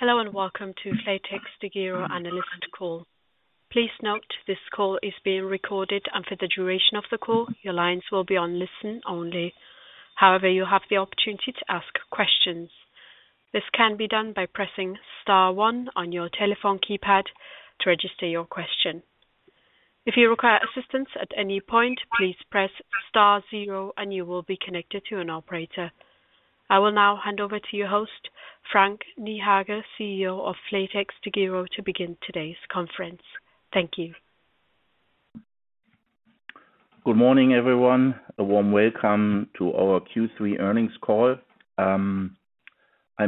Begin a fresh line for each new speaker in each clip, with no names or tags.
Hello and welcome to flatexDEGIRO analyst call. Please note this call is being recorded, and for the duration of the call, your lines will be on listen only. However, you have the opportunity to ask questions. This can be done by pressing star one on your telephone keypad to register your question. If you require assistance at any point, please press star zero and you will be connected to an operator. I will now hand over to your host, Frank Niehage, CEO of flatexDEGIRO, to begin today's conference. Thank you.
Good morning, everyone. A warm welcome to our Q3 earnings call. I'm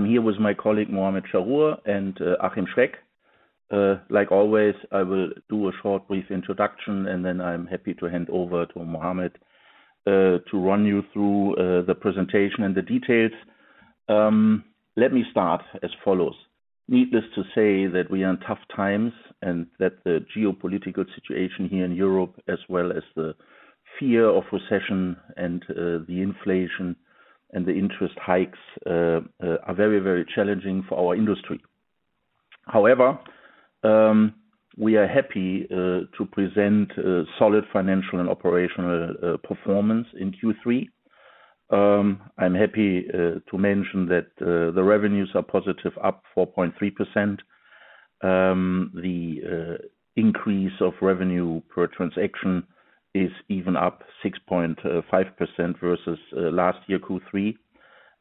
here with my colleague Muhamad Chahrour and Achim Schreck. Like always, I will do a short brief introduction, and then I'm happy to hand over to Muhamad to run you through the presentation and the details. Let me start as follows. Needless to say that we are in tough times and that the geopolitical situation here in Europe, as well as the fear of recession and the inflation and the interest hikes are very, very challenging for our industry. However, we are happy to present a solid financial and operational performance in Q3. I'm happy to mention that the revenues are positive, up 4.3%. The increase of revenue per transaction is even up 6.5% versus last year Q3.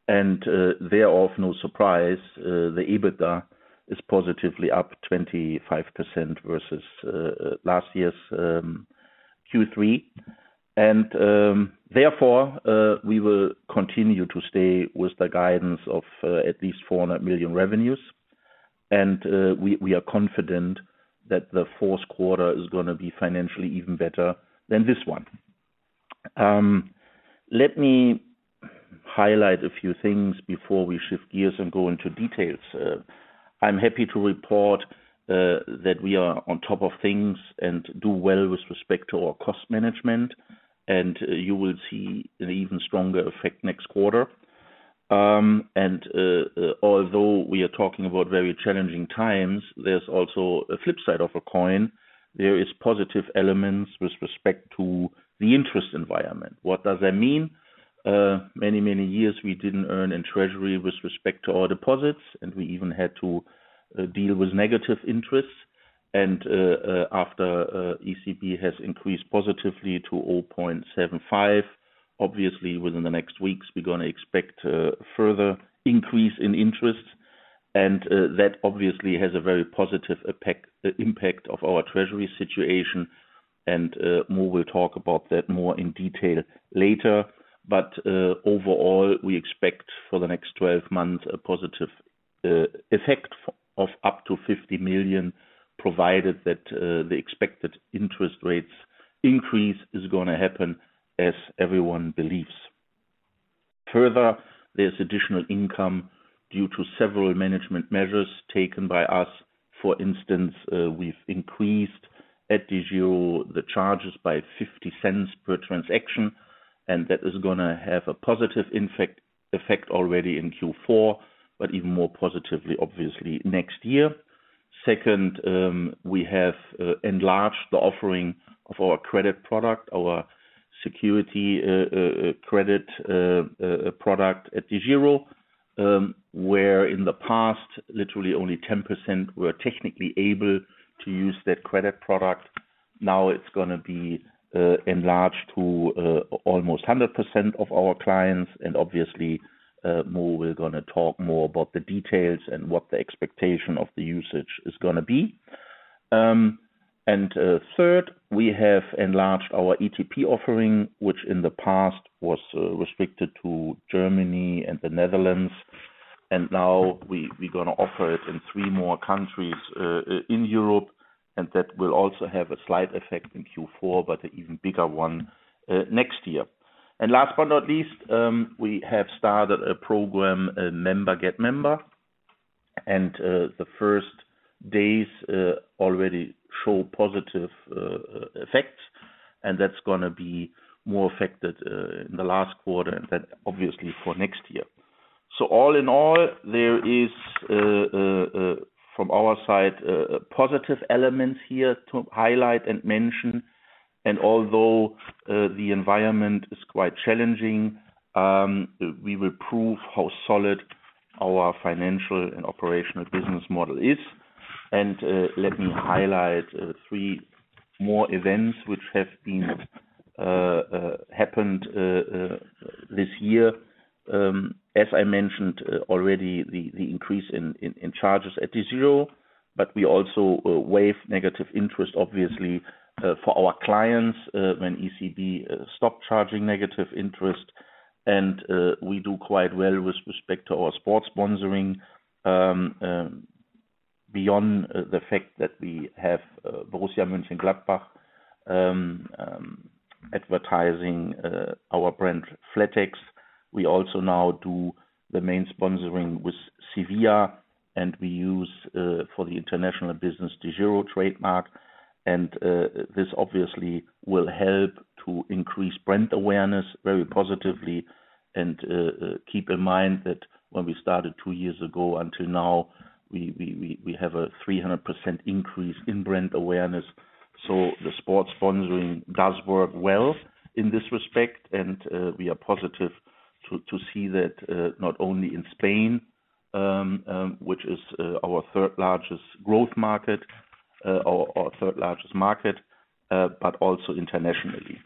There is no surprise. The EBITDA is positively up 25% versus last year's Q3. Therefore, we will continue to stay with the guidance of at least 400 million revenues. We are confident that the fourth quarter is gonna be financially even better than this one. Let me highlight a few things before we shift gears and go into details. I'm happy to report that we are on top of things and do well with respect to our cost management, and you will see an even stronger effect next quarter. Although we are talking about very challenging times, there's also a flip side of a coin. There is positive elements with respect to the interest environment. What does that mean? Many years we didn't earn in treasury with respect to our deposits, and we even had to deal with negative interest. After ECB has increased positively to 0.75, obviously within the next weeks, we're gonna expect a further increase in interest. That obviously has a very positive impact of our treasury situation, and Mo will talk about that more in detail later. Overall, we expect for the next 12 months a positive effect of up to 50 million, provided that the expected interest rates increase is gonna happen as everyone believes. Further, there's additional income due to several management measures taken by us. For instance, we've increased at DEGIRO the charges by 0.50 per transaction, and that is gonna have a positive effect already in Q4, but even more positively, obviously next year. Second, we have enlarged the offering of our credit product, our securities credit product at DEGIRO, where in the past, literally only 10% were technically able to use that credit product. Now it's gonna be enlarged to almost 100% of our clients, and obviously, Mo, we're gonna talk more about the details and what the expectation of the usage is gonna be. Third, we have enlarged our ETP offering, which in the past was restricted to Germany and the Netherlands. Now we're gonna offer it in three more countries in Europe, and that will also have a slight effect in Q4, but even bigger one next year. Last but not least, we have started a program, Member get Member. The first days already show positive effects, and that's gonna be more effect in the last quarter and then obviously for next year. All in all, there is from our side positive elements here to highlight and mention. Although the environment is quite challenging, we will prove how solid our financial and operational business model is. Let me highlight three more events which have happened this year. As I mentioned already, the increase in charges at DEGIRO, but we also waive negative interest, obviously, for our clients, when ECB stop charging negative interest. We do quite well with respect to our sports sponsoring. Beyond the fact that we have Borussia Mönchengladbach advertising our brand flatex. We also now do the main sponsoring with Sevilla, and we use for the international business DEGIRO trademark. This obviously will help to increase brand awareness very positively. Keep in mind that when we started two years ago until now, we have a 300% increase in brand awareness. The sports sponsoring does work well in this respect, and we are positive to see that, not only in Spain, which is our third-largest growth market, our third-largest market, but also internationally.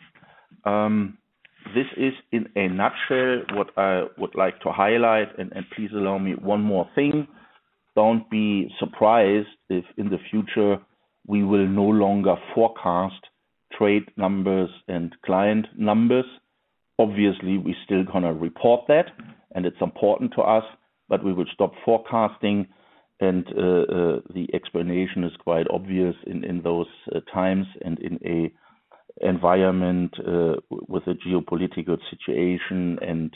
This is in a nutshell what I would like to highlight. Please allow me one more thing. Don't be surprised if in the future we will no longer forecast trade numbers and client numbers. Obviously, we still gonna report that, and it's important to us, but we will stop forecasting. The explanation is quite obvious in those times and in an environment with a geopolitical situation and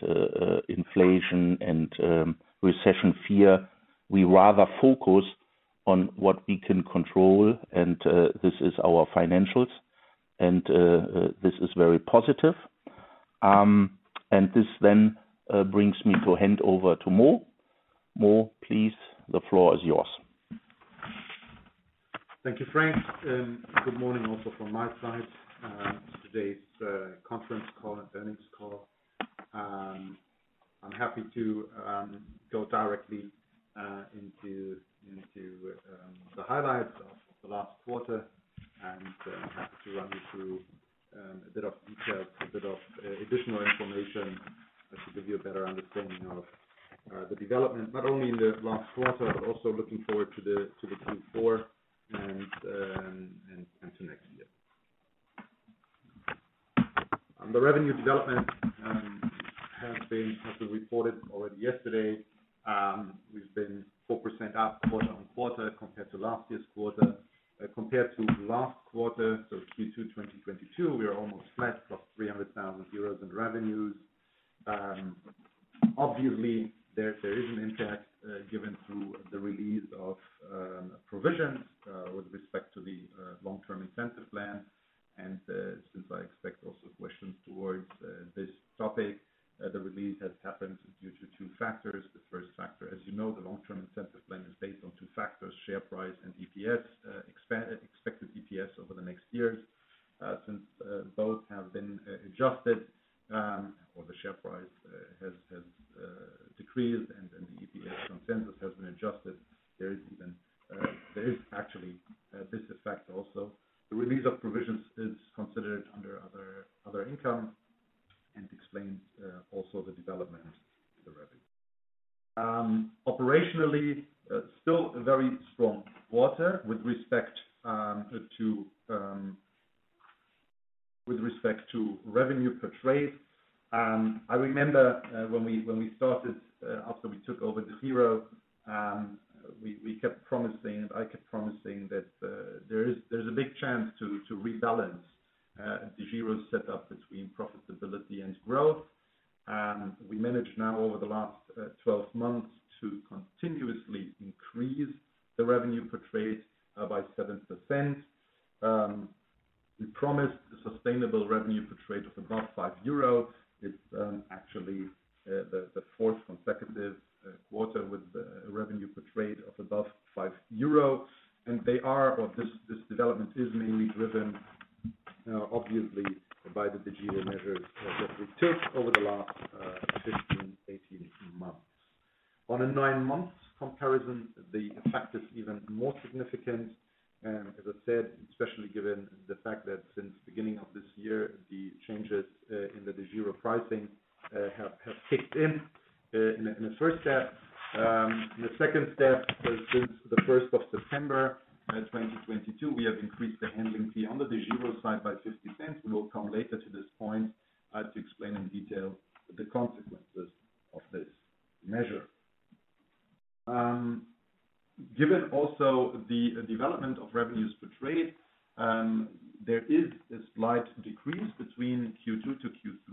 inflation and recession fear. We rather focus on what we can control, and this is our financials, and this is very positive. This then brings me to hand over to Mo. Mo, please, the floor is yours.
Thank you, Frank. Good morning also from my side. Today's conference call and earnings call. I'm happy to go directly into the highlights of the last quarter and happy to run you through a bit of details, a bit of additional information to give you a better understanding of the development, not only in the last quarter, but also looking forward to the Q4 and to next year. The revenue development has been reported already yesterday. We've been 4% up year-over-year compared to last year's quarter. Compared to last quarter, so Q2 2022, we are almost flat, plus 300 thousand euros in revenues. Obviously, there is an impact given through the release of provisions with respect to the long-term incentive plan. Since I expect also questions towards this topic, the release has happened due to two factors. The first factor, as you know, the long-term incentive plan is based on two factors, share price and EPS, expected EPS over the next years. Since both have been adjusted, or the share price has decreased and the EPS consensus has been adjusted, there is actually this effect also. The release of provisions is considered under other income and explains also the development of the revenue. Operationally, still a very strong quarter with respect to revenue per trade. I remember when we started after we took over DEGIRO, we kept promising, I kept promising that there is a big chance to rebalance DEGIRO setup between profitability and growth. We managed now over the last 12 months to continuously increase the revenue per trade by 7%. We promised a sustainable revenue per trade above 5 euro. It's actually the fourth consecutive quarter with revenue per trade above 5 euro. This development is mainly driven, obviously, by the DEGIRO measures that we took over the last 15-18 months. On a nine-month comparison, the effect is even more significant. As I said, especially given the fact that since beginning of this year, the changes in the DEGIRO pricing have kicked in in a first step. In a second step, since the first of September 2022, we have increased the handling fee on the DEGIRO side by EUR 0.50. We will come later to this point to explain in detail the consequences of this measure. Given also the development of revenues per trade, there is a slight decrease between Q2 to Q3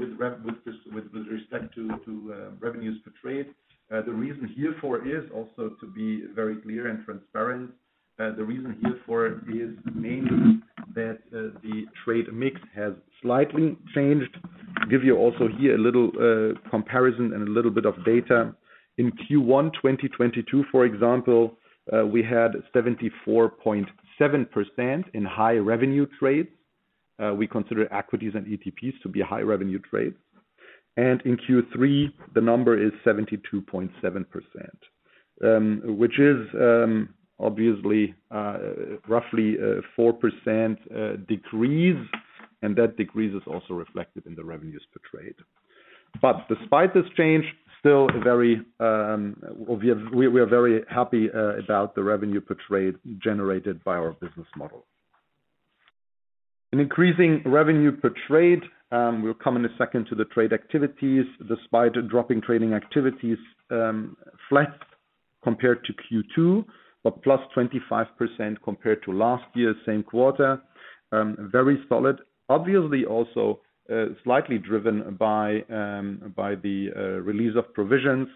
with respect to revenues per trade. The reason here for is also to be very clear and transparent. The reason here for it is mainly that the trade mix has slightly changed. Give you also here a little comparison and a little bit of data. In Q1 2022, for example, we had 74.7% in high revenue trades. We consider equities and ETPs to be high revenue trades. In Q3, the number is 72.7%, which is obviously roughly 4% decrease, and that decrease is also reflected in the revenues per trade. Despite this change, still a very we are very happy about the revenue per trade generated by our business model. An increasing revenue per trade, we'll come in a second to the trade activities despite a drop in trading activities, flat compared to Q2, but plus 25% compared to last year's same quarter. Very solid. Obviously also, slightly driven by the release of provisions.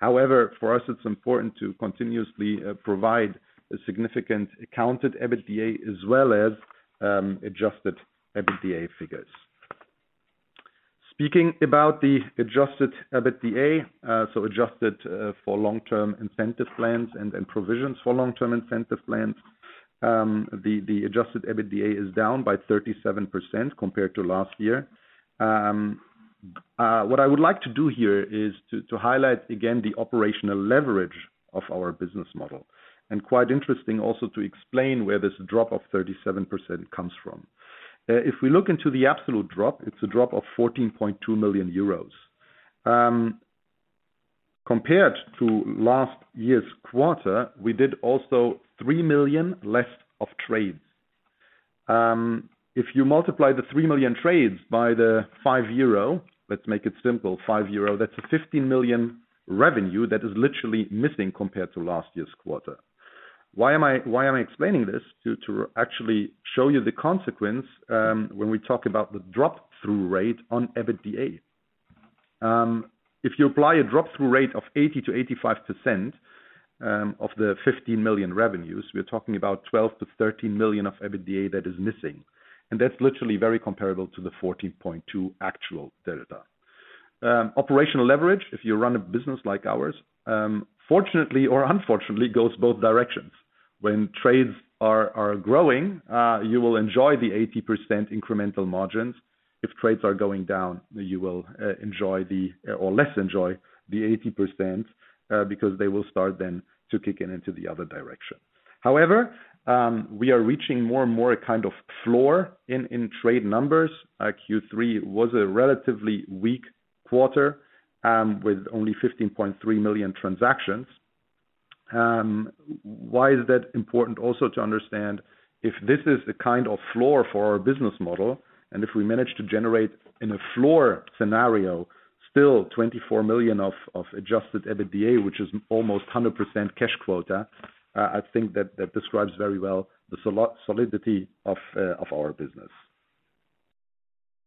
However, for us, it's important to continuously provide a significant accounted EBITDA as well as adjusted EBITDA figures. Speaking about the adjusted EBITDA, so adjusted for long-term incentive plans and provisions for long-term incentive plans, the adjusted EBITDA is down by 37% compared to last year. What I would like to do here is to highlight again the operational leverage of our business model, and quite interesting also to explain where this drop of 37% comes from. If we look into the absolute drop, it's a drop of 14.2 million euros. Compared to last year's quarter, we did also three million less of trades. If you multiply the 3 million trades by the 5 euro, let's make it simple, 5 euro, that's a 15 million revenue that is literally missing compared to last year's quarter. Why am I explaining this? To actually show you the consequence, when we talk about the drop-through rate on EBITDA. If you apply a drop-through rate of 80%-85%, of the 15 million revenues, we're talking about 12 million-13 million of EBITDA that is missing, and that's literally very comparable to the 14.2 actual delta. Operational leverage, if you run a business like ours, fortunately or unfortunately, goes both directions. When trades are growing, you will enjoy the 80% incremental margins. If trades are going down, you will enjoy the... or less enjoy the 80%, because they will start then to kick in into the other direction. However, we are reaching more and more a kind of floor in trade numbers. Q3 was a relatively weak quarter, with only 15.3 million transactions. Why is that important also to understand if this is the kind of floor for our business model, and if we manage to generate in a floor scenario, still 24 million of adjusted EBITDA, which is almost 100% cash quota, I think that describes very well the solidity of our business.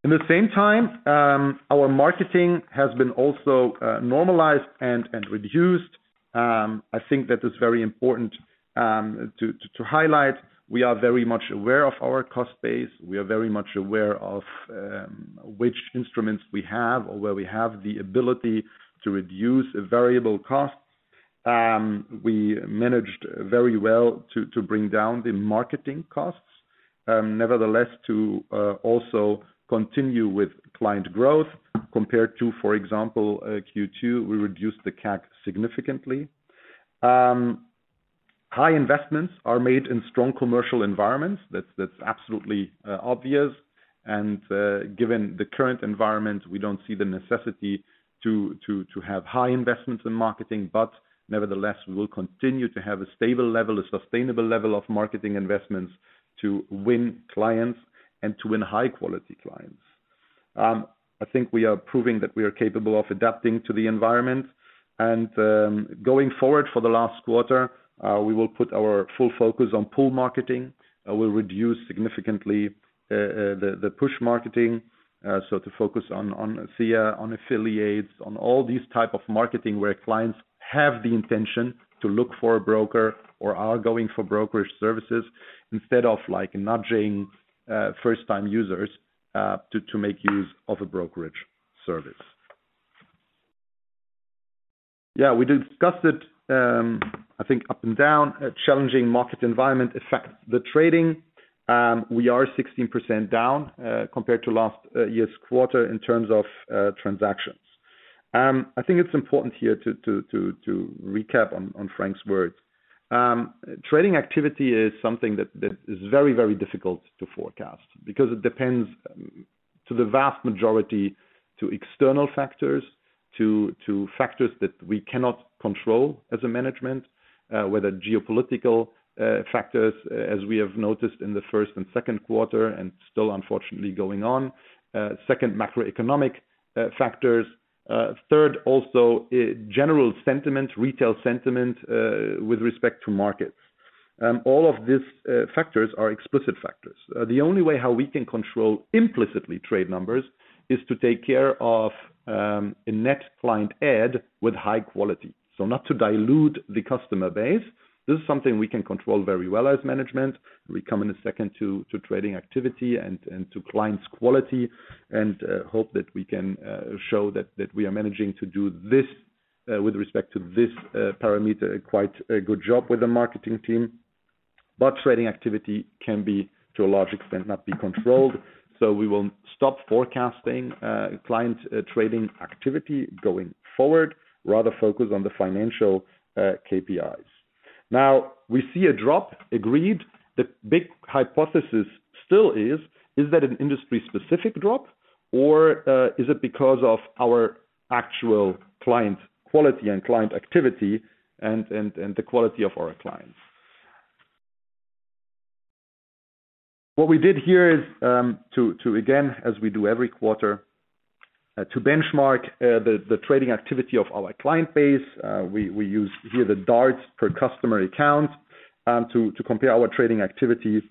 In the same time, our marketing has been also normalized and reduced. I think that is very important, to highlight. We are very much aware of our cost base. We are very much aware of which instruments we have or where we have the ability to reduce variable costs. We managed very well to bring down the marketing costs, nevertheless to also continue with client growth. Compared to, for example, Q2, we reduced the CAC significantly. High investments are made in strong commercial environments. That's absolutely obvious. Given the current environment, we don't see the necessity to have high investments in marketing. Nevertheless, we will continue to have a stable level, a sustainable level of marketing investments to win clients and to win high-quality clients. I think we are proving that we are capable of adapting to the environment. Going forward for the last quarter, we will put our full focus on pull marketing. We'll reduce significantly the push marketing, so to focus on SEO, on affiliates, on all these type of marketing where clients have the intention to look for a broker or are going for brokerage services instead of, like, nudging first-time users to make use of a brokerage service. Yeah, we discussed it. I think up and down, a challenging market environment affects the trading. We are 16% down compared to last year's quarter in terms of transactions. I think it's important here to recap on Frank's words. Trading activity is something that is very difficult to forecast because it depends, to the vast majority, on external factors, on factors that we cannot control as management, whether geopolitical factors, as we have noticed in the first and second quarter and still unfortunately going on. Second, macroeconomic factors. Third, also, general sentiment, retail sentiment, with respect to markets. All of these factors are explicit factors. The only way how we can control implicitly trade numbers is to take care of a net client add with high quality, not to dilute the customer base. This is something we can control very well as management. We come in a second to trading activity and to clients' quality and hope that we can show that we are managing to do this with respect to this parameter, quite a good job with the marketing team. Trading activity can be, to a large extent, not be controlled, so we will stop forecasting client trading activity going forward, rather focus on the financial KPIs. Now, we see a drop, agreed. The big hypothesis still is that an industry-specific drop or is it because of our actual client quality and client activity and the quality of our clients? What we did here is to again, as we do every quarter. To benchmark the trading activity of our client base, we use here the DARTs per customer account to compare our trading activities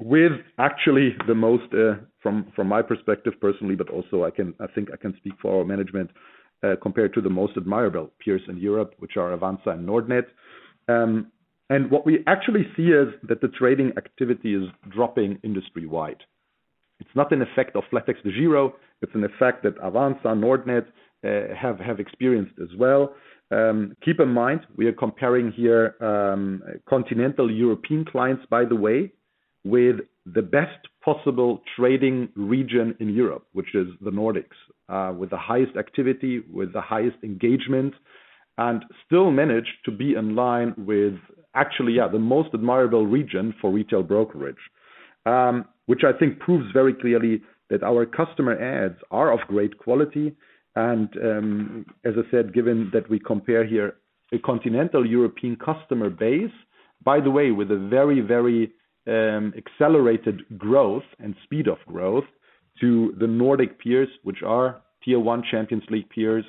with actually the most from my perspective personally, but also I can speak for our management compared to the most admirable peers in Europe, which are Avanza and Nordnet. What we actually see is that the trading activity is dropping industry-wide. It's not an effect of flatexDEGIRO, it's an effect that Avanza and Nordnet have experienced as well. Keep in mind, we are comparing here continental European clients, by the way, with the best possible trading region in Europe, which is the Nordics, with the highest activity, with the highest engagement, and still manage to be in line with actually, yeah, the most admirable region for retail brokerage. Which I think proves very clearly that our customer adds are of great quality and, as I said, given that we compare here a continental European customer base, by the way, with a very, very, accelerated growth and speed of growth to the Nordic peers, which are tier one Champions League peers,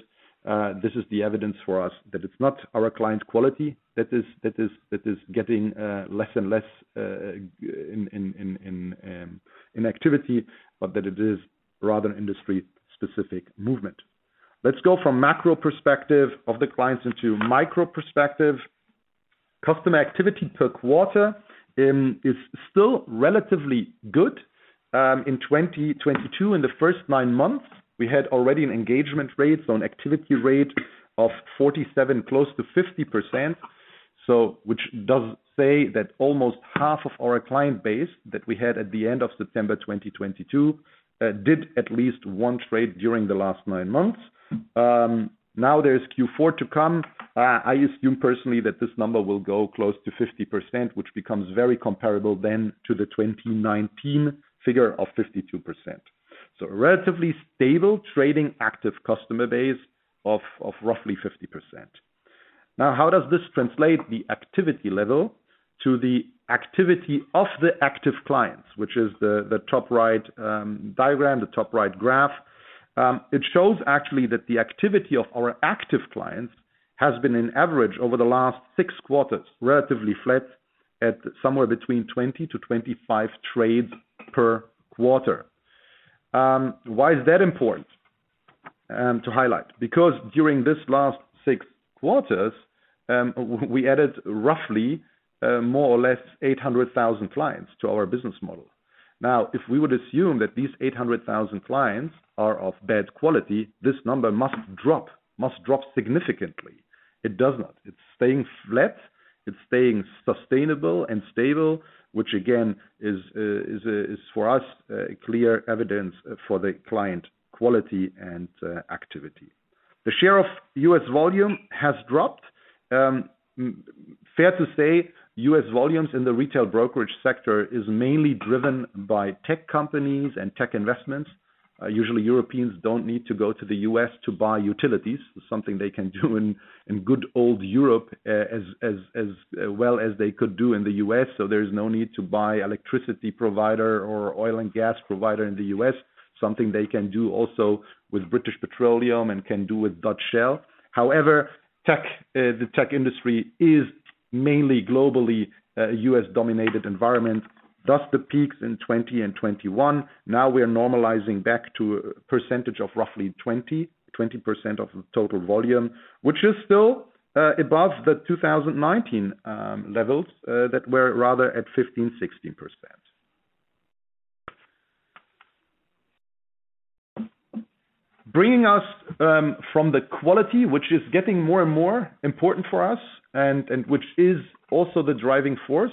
this is the evidence for us that it's not our client quality that is getting less and less in activity, but that it is rather industry specific movement. Let's go from macro perspective of the clients into micro perspective. Customer activity per quarter is still relatively good. In 2022, in the first nine months, we had already an engagement rate on activity rate of 47, close to 50%. Which does say that almost half of our client base that we had at the end of September 2022 did at least one trade during the last nine months. Now there's Q4 to come. I assume personally that this number will go close to 50%, which becomes very comparable then to the 2019 figure of 52%. Relatively stable trading active customer base of roughly 50%. Now, how does this translate the activity level to the activity of the active clients, which is the top right diagram, the top right graph. It shows actually that the activity of our active clients has been an average over the last six quarters, relatively flat at somewhere between 20-25 trades per quarter. Why is that important to highlight? Because during this last six quarters, we added roughly, more or less 800,000 clients to our business model. Now, if we would assume that these 800,000 clients are of bad quality, this number must drop significantly. It does not. It's staying flat, it's staying sustainable and stable, which again, is for us clear evidence for the client quality and activity. The share of U.S. volume has dropped. Fair to say, U.S. volumes in the retail brokerage sector is mainly driven by tech companies and tech investments. Usually Europeans don't need to go to the U.S. to buy utilities. Something they can do in good old Europe as well as they could do in the U.S. There is no need to buy electricity provider or oil and gas provider in the U.S., something they can do also with BP and can do with Shell. However, the tech industry is mainly globally U.S. dominated environment, thus the peaks in 2020 and 2021. Now we are normalizing back to a percentage of roughly 20% of the total volume, which is still above the 2019 levels that were rather at 15, 16%. Bringing us from the quality, which is getting more and more important for us and which is also the driving force,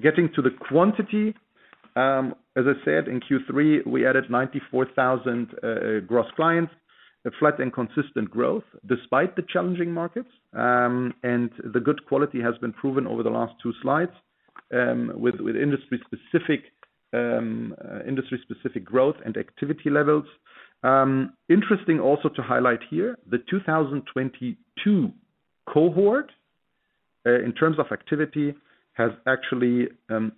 getting to the quantity. As I said, in Q3, we added 94,000 gross clients. A flat and consistent growth despite the challenging markets, and the good quality has been proven over the last two slides with industry specific growth and activity levels. Interesting also to highlight here, the 2022 cohort, in terms of activity, has actually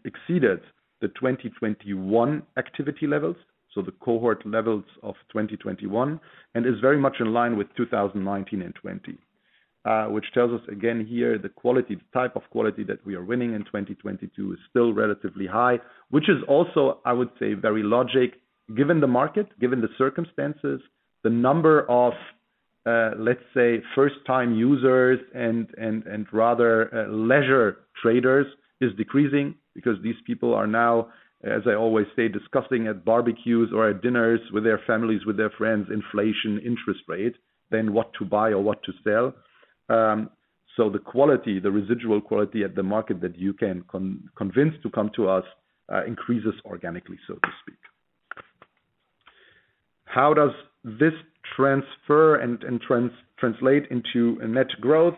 exceeded the 2021 activity levels. The cohort levels of 2021, and is very much in line with 2019 and 2020. Which tells us again here, the quality, the type of quality that we are winning in 2022 is still relatively high, which is also, I would say, very logical. Given the market, given the circumstances, the number of, let's say, first-time users and rather leisure traders is decreasing because these people are now, as I always say, discussing at barbecues or at dinners with their families, with their friends, inflation, interest rate, then what to buy or what to sell. The quality, the residual quality at the market that you can convince to come to us, increases organically, so to speak. How does this transfer and translate into a net growth?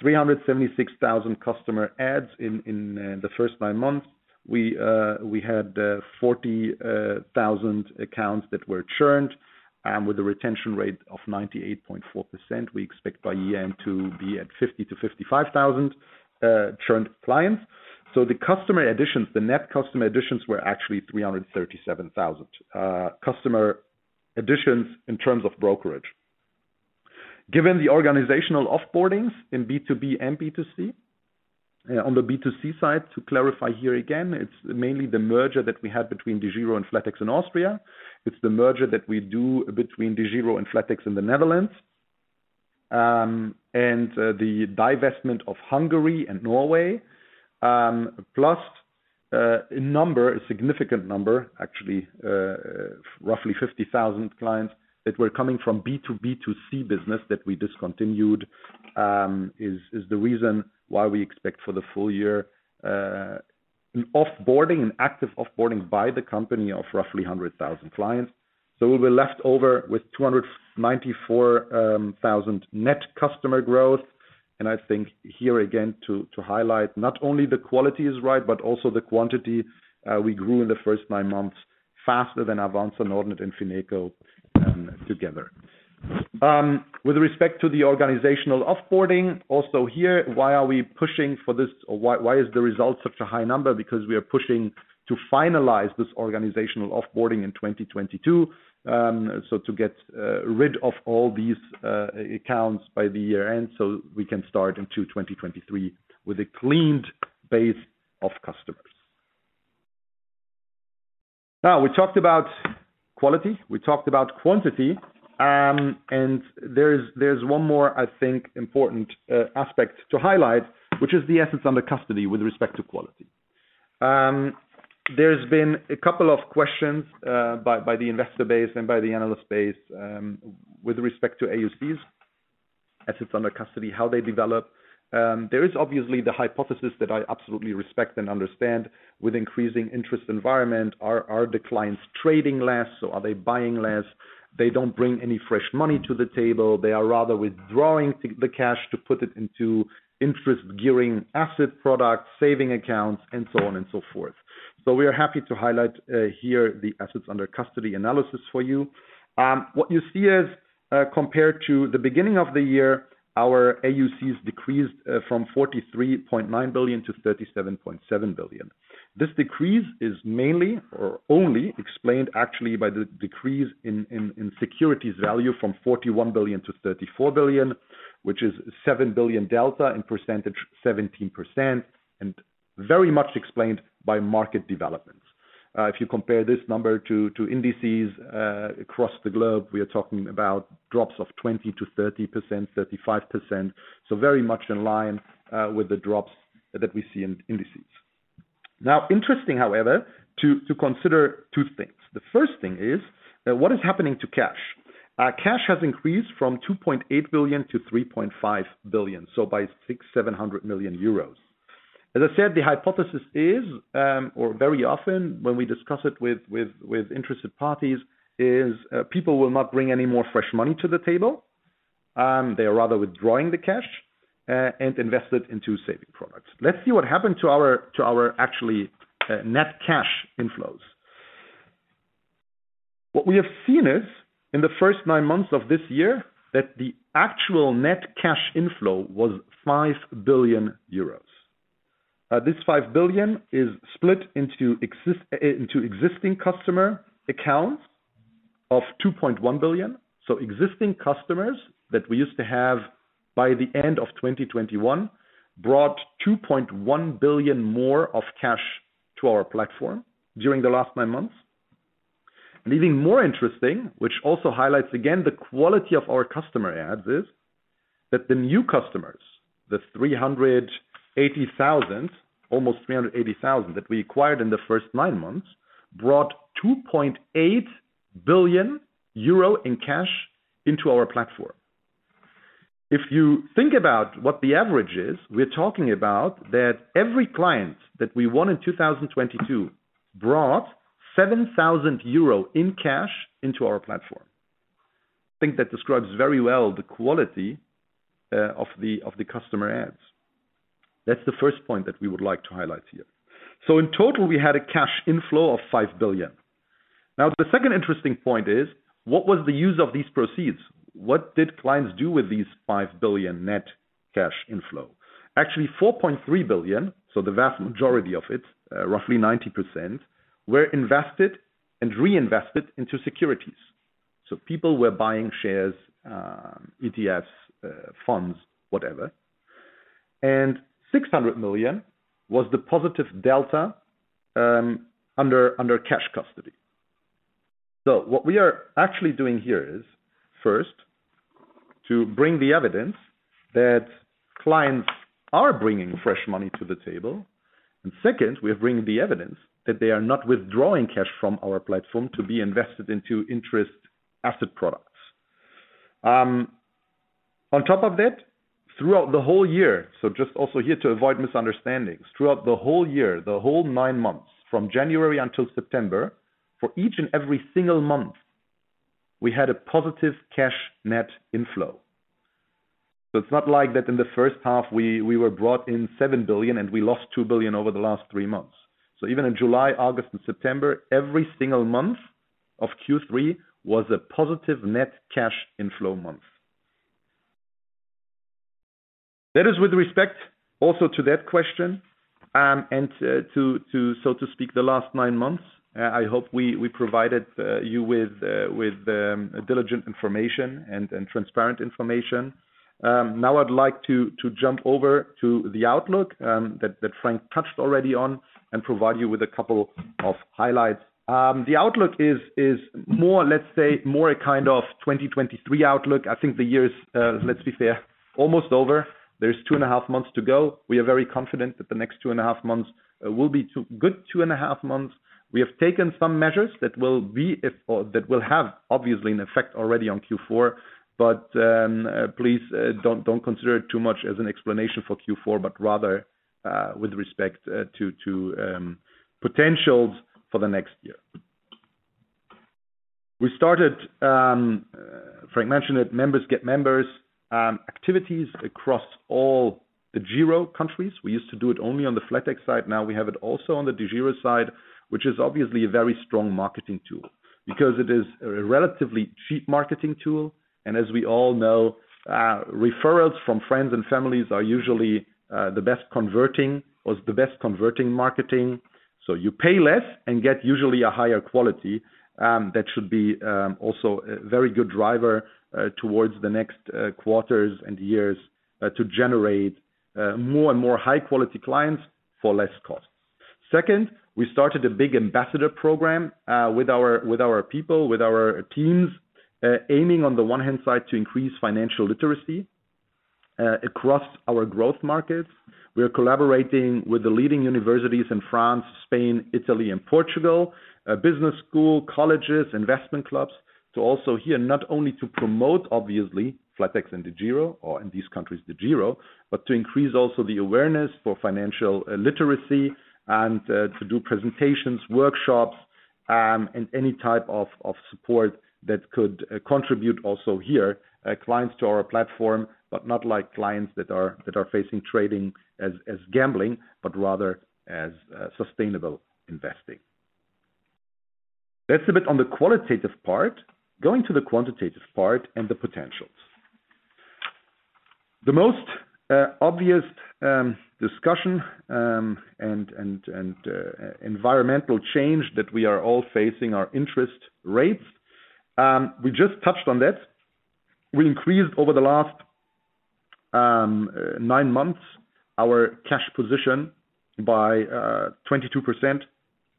376,000 customer adds in the first nine months. We had 40,000 accounts that were churned. With a retention rate of 98.4%, we expect by year-end to be at 50,000-55,000 churned clients. The customer additions, the net customer additions were actually 337,000 customer additions in terms of brokerage. Given the organizational off-boardings in B2B and B2C. On the B2C side, to clarify here again, it's mainly the merger that we had between DEGIRO and flatex in Austria. It's the merger that we do between DEGIRO and flatex in the Netherlands. And the divestment of Hungary and Norway. Plus, a significant number, actually, roughly 50,000 clients that were coming from B2B2C business that we discontinued, is the reason why we expect for the full year, off-boarding and active off-boarding by the company of roughly 100,000 clients. We were left over with 294,000 net customer growth. I think here again, to highlight not only the quality is right, but also the quantity, we grew in the first nine months faster than Avanza, Nordnet, and FinecoBank. With respect to the organizational off-boarding, also here, why are we pushing for this? Or why is the result such a high number? Because we are pushing to finalize this organizational off-boarding in 2022, so to get rid of all these accounts by the year-end, so we can start into 2023 with a cleaned base of customers. Now, we talked about quality, we talked about quantity, and there is one more, I think, important aspect to highlight, which is the assets under custody with respect to quality. There's been a couple of questions by the investor base and by the analyst base with respect to AUCs, assets under custody, how they develop. There is obviously the hypothesis that I absolutely respect and understand with increasing interest environment, are the clients trading less? Are they buying less? They don't bring any fresh money to the table. They are rather withdrawing the cash to put it into interest-bearing asset products, savings accounts, and so on and so forth. We are happy to highlight here the assets under custody analysis for you. What you see is, compared to the beginning of the year, our AUCs decreased from 43.9 billion to 37.7 billion. This decrease is mainly or only explained actually by the decrease in securities value from 41 billion to 34 billion, which is seven billion delta, in percentage 17%, and very much explained by market developments. If you compare this number to indices across the globe, we are talking about drops of 20%-30%, 35%. Very much in line with the drops that we see in indices. Now, interesting, however, to consider two things. The first thing is that what is happening to cash? Cash has increased from 2.8 billion to 3.5 billion. By 600-700 million euros. As I said, the hypothesis is, or very often when we discuss it with interested parties is, people will not bring any more fresh money to the table. They are rather withdrawing the cash and invest it into saving products. Let's see what happened to our actually net cash inflows. What we have seen is in the first nine months of this year that the actual net cash inflow was 5 billion euros. This 5 billion is split into existing customer accounts of 2.1 billion. Existing customers that we used to have by the end of 2021 brought 2.1 billion more of cash to our platform during the last nine months. Even more interesting, which also highlights again the quality of our customer adds, is that the new customers, the 380,000, almost 380,000 that we acquired in the first nine months, brought 2.8 billion euro in cash into our platform. If you think about what the average is, we're talking about that every client that we won in 2022 brought 7,000 euro in cash into our platform. I think that describes very well the quality of the customer adds. That's the first point that we would like to highlight here. In total, we had a cash inflow of 5 billion. Now, the second interesting point is what was the use of these proceeds? What did clients do with these 5 billion net cash inflow? Actually, 4.3 billion, so the vast majority of it, roughly 90%, were invested and reinvested into securities. People were buying shares, ETFs, funds, whatever. 600 million was the positive delta under cash custody. What we are actually doing here is, first, to bring the evidence that clients are bringing fresh money to the table. And second, we are bringing the evidence that they are not withdrawing cash from our platform to be invested into interest asset products. On top of that, throughout the whole year, so just also here to avoid misunderstandings, throughout the whole year, the whole nine months, from January until September, for each and every single month, we had a positive cash net inflow. It's not like that in the first half, we were brought in 7 billion and we lost 2 billion over the last three months. Even in July, August and September, every single month of Q3 was a positive net cash inflow month. That is with respect also to that question, and to so to speak, the last nine months. I hope we provided you with diligent information and transparent information. Now I'd like to jump over to the outlook that Frank touched already on and provide you with a couple of highlights. The outlook is more, let's say, a kind of 2023 outlook. I think the year is, let's be fair, almost over. There's two and a half months to go. We are very confident that the next two and a half months will be good two and a half months. We have taken some measures that will be, or that will have obviously an effect already on Q4. Please don't consider it too much as an explanation for Q4, but rather with respect to potentials for the next year. We started, Frank mentioned it, Member get Member activities across all the DEGIRO countries. We used to do it only on the flatex side. Now we have it also on the DEGIRO side, which is obviously a very strong marketing tool because it is a relatively cheap marketing tool. As we all know, referrals from friends and families are usually the best converting marketing. You pay less and get usually a higher quality. That should be also a very good driver towards the next quarters and years to generate more and more high-quality clients for less cost. Second, we started a big ambassador program with our people, with our teams, aiming on the one hand side to increase financial literacy across our growth markets. We are collaborating with the leading universities in France, Spain, Italy and Portugal, business school, colleges, investment clubs, to also here, not only to promote obviously flatex and DEGIRO, or in these countries, DEGIRO, but to increase also the awareness for financial literacy and, to do presentations, workshops, and any type of support that could contribute also here, clients to our platform, but not like clients that are facing trading as gambling, but rather as sustainable investing. That's a bit on the qualitative part. Going to the quantitative part and the potentials. The most obvious discussion and environmental change that we are all facing are interest rates. We just touched on that. We increased over the last nine months our cash position by 22%,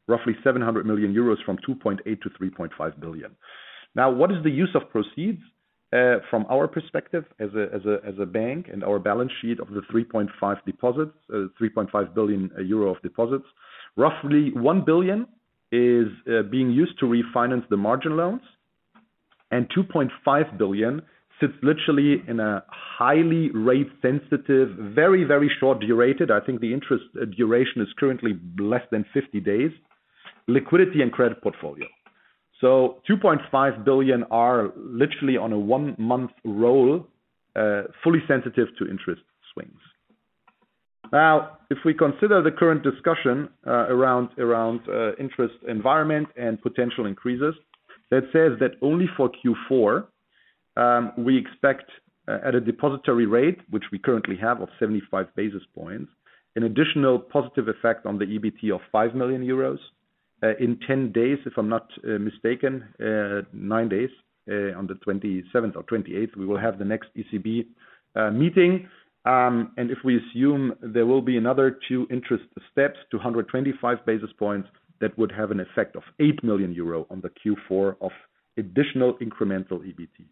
roughly 700 million euros from 2.8 billion to 3.5 billion. Now, what is the use of proceeds from our perspective as a bank and our balance sheet of the 3.5 billion deposits, 3.5 billion euro of deposits? Roughly 1 billion is being used to refinance the margin loans, and 2.5 billion sits literally in a highly rate sensitive, very short-dated. I think the interest duration is currently less than 50 days, liquidity and credit portfolio. Two point five billion are literally on a one-month roll, fully sensitive to interest swings. Now, if we consider the current discussion around interest environment and potential increases, that says that only for Q4, we expect at a depository rate, which we currently have of 75 basis points, an additional positive effect on the EBT of 5 million euros. In ten days, if I'm not mistaken, nine days, on the 27th or 28th, we will have the next ECB meeting. If we assume there will be another two interest steps, 225 basis points, that would have an effect of 8 million euro on Q4 of additional incremental EBT.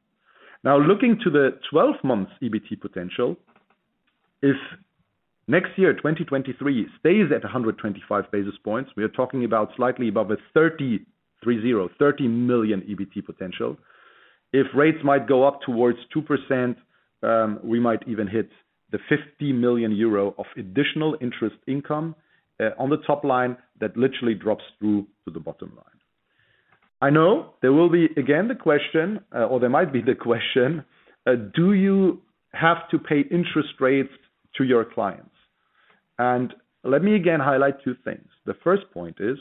Now, looking to the twelve months EBT potential, if next year, 2023 stays at 125 basis points, we are talking about slightly above 33.0, 30 million EBT potential. If rates might go up towards 2%, we might even hit 50 million euro of additional interest income on the top line that literally drops through to the bottom line. I know there will be again the question, or there might be the question, do you have to pay interest rates to your clients? Let me again highlight two things. The first point is,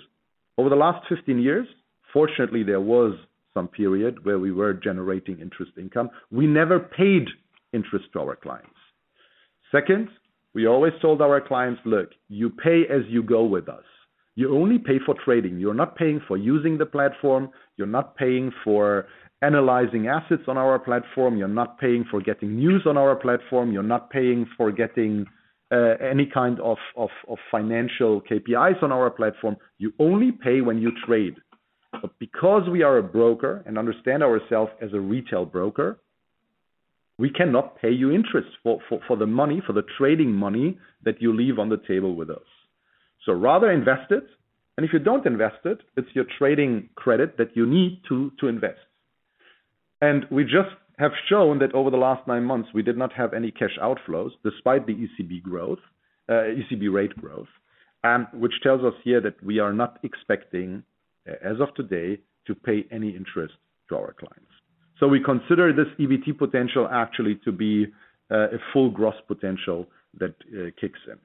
over the last 15 years, fortunately, there was some period where we were generating interest income. We never paid interest to our clients. Second, we always told our clients, "Look, you pay as you go with us. You only pay for trading. You're not paying for using the platform. You're not paying for analyzing assets on our platform. You're not paying for getting news on our platform. You're not paying for getting any kind of financial KPIs on our platform. You only pay when you trade." Because we are a broker and understand ourselves as a retail broker, we cannot pay you interest for the money, for the trading money that you leave on the table with us. Rather invest it, and if you don't invest it's your trading credit that you need to invest. We just have shown that over the last nine months, we did not have any cash outflows despite the ECB rate growth, which tells us here that we are not expecting, as of today, to pay any interest to our clients. We consider this EBT potential actually to be a full gross potential that kicks in.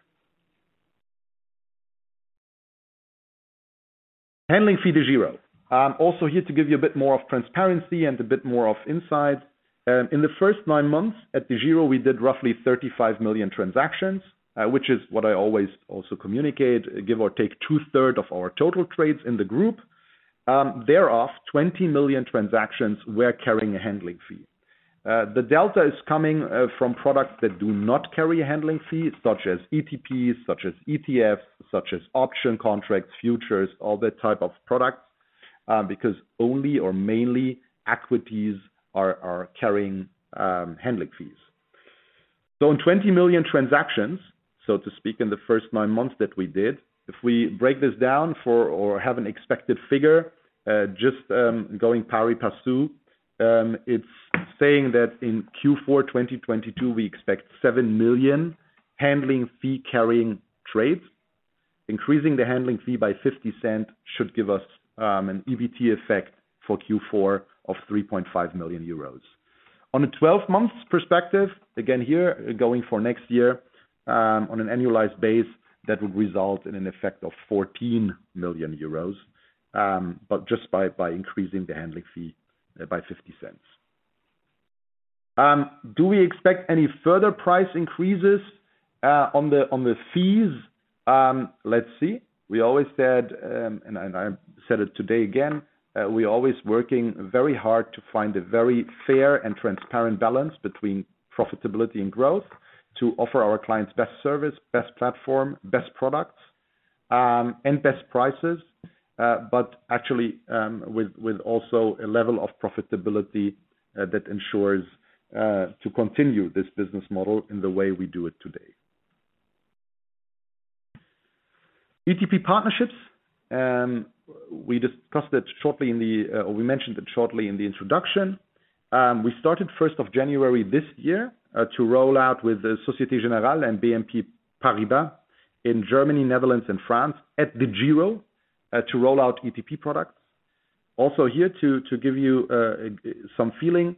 Handling fee DEGIRO. Also here to give you a bit more of transparency and a bit more of insight. In the first nine months at DEGIRO, we did roughly 35 million transactions, which is what I always also communicate, give or take two-thirds of our total trades in the group. Thereof, 20 million transactions were carrying a handling fee. The delta is coming from products that do not carry a handling fee, such as ETPs, such as ETFs, such as option contracts, futures, all that type of products, because only or mainly equities are carrying handling fees. In 20 million transactions, so to speak, in the first 9 months that we did, if we break this down or have an expected figure, just, going pari passu, it's saying that in Q4 2022, we expect 7 million handling fee-carrying trades. Increasing the handling fee by 50 cents should give us an EBT effect for Q4 of 3.5 million euros. On a 12 months perspective, again here going for next year, on an annualized base, that would result in an effect of 14 million euros, but just by increasing the handling fee by 50 cents. Do we expect any further price increases on the fees? Let's see. We always said, and I said it today again, we're always working very hard to find a very fair and transparent balance between profitability and growth to offer our clients best service, best platform, best products, and best prices, but actually, with also a level of profitability that ensures to continue this business model in the way we do it today. ETP partnerships. We mentioned it shortly in the introduction. We started first of January this year to roll out with the Société Générale and BNP Paribas in Germany, Netherlands, and France at DEGIRO to roll out ETP products. Also here to give you some feeling.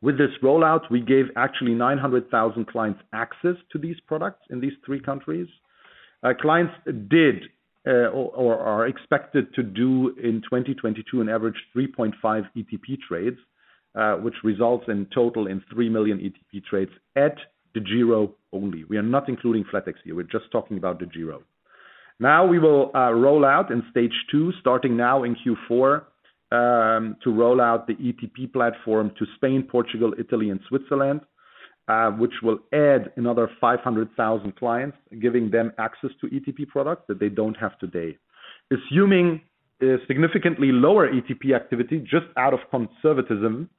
With this rollout, we gave actually 900,000 clients access to these products in these three countries. Clients did, or are expected to do in 2022 an average 3.5 ETP trades, which results in total in 3 million ETP trades at DEGIRO only. We are not including flatex here. We're just talking about DEGIRO. Now we will roll out in stage two, starting now in Q4, to roll out the ETP platform to Spain, Portugal, Italy, and Switzerland, which will add another 500,000 clients, giving them access to ETP products that they don't have today. Assuming a significantly lower ETP activity just out of conservatism,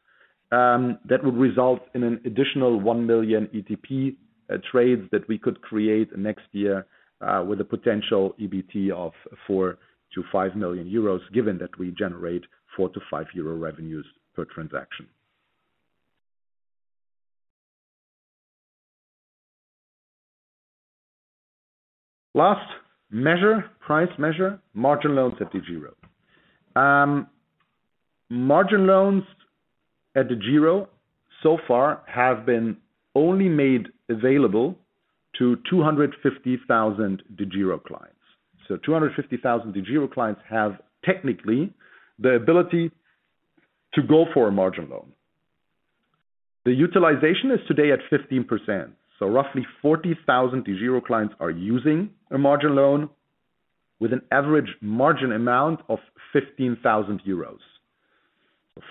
that would result in an additional 1 million ETP trades that we could create next year, with a potential EBT of 4-5 million euros, given that we generate 4-5 euro revenues per transaction. Last measure, price measure, margin loans at DEGIRO. Margin loans at DEGIRO So far have been only made available to 250,000 DEGIRO clients. Two hundred fifty thousand DEGIRO clients have technically the ability to go for a margin loan. The utilization is today at 15%, so roughly 40,000 DEGIRO clients are using a margin loan with an average margin amount of 15,000 euros.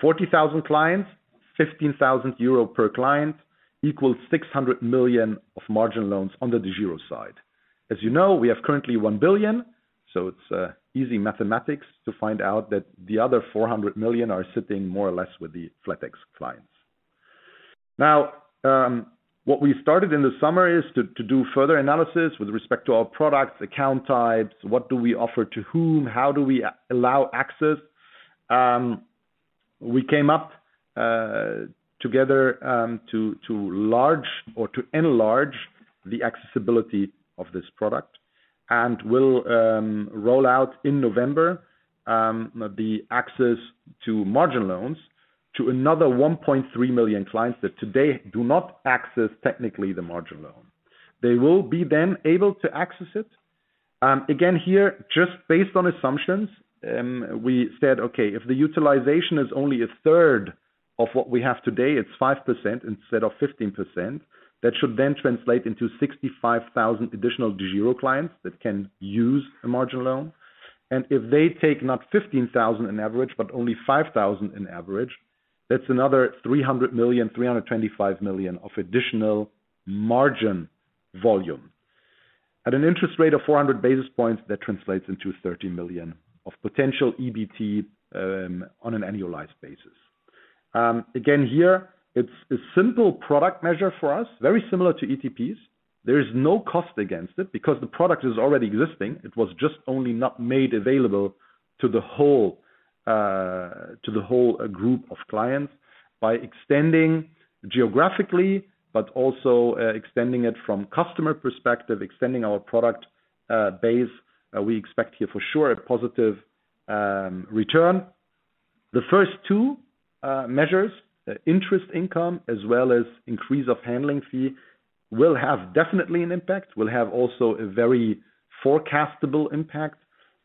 Forty thousand clients, fifteen thousand euro per client equals 600 million of margin loans under DEGIRO side. As you know, we have currently 1 billion, so it's easy mathematics to find out that the other 400 million are sitting more or less with the flatex clients. What we started in the summer is to do further analysis with respect to our products, account types, what do we offer to whom? How do we allow access? We came up together to enlarge the accessibility of this product. We'll roll out in November the access to margin loans to another 1.3 million clients that today do not access technically the margin loan. They will be then able to access it. Again here, just based on assumptions, we said, "Okay, if the utilization is only a third of what we have today, it's 5% instead of 15%. That should then translate into 65,000 additional DEGIRO clients that can use a margin loan. And if they take not 15,000 in average, but only 5,000 in average, that's another 300 million, 325 million of additional margin volume. At an interest rate of 400 basis points, that translates into 30 million of potential EBT on an annualized basis. Again, here it's a simple product measure for us, very similar to ETPs. There is no cost against it because the product is already existing. It was just only not made available to the whole group of clients by extending geographically but also extending it from customer perspective, extending our product base. We expect here for sure a positive return. The first two measures, interest income as well as increase of handling fee will have definitely an impact, will have also a very forecastable impact.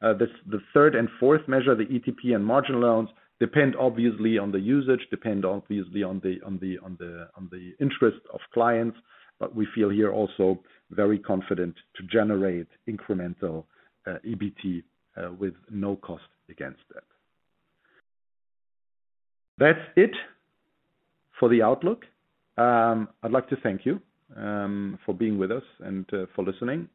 The third and fourth measure, the ETP and margin loans depend obviously on the usage, depend obviously on the interest of clients. We feel here also very confident to generate incremental EBT with no cost against that. That's it for the outlook. I'd like to thank you for being with us and for listening.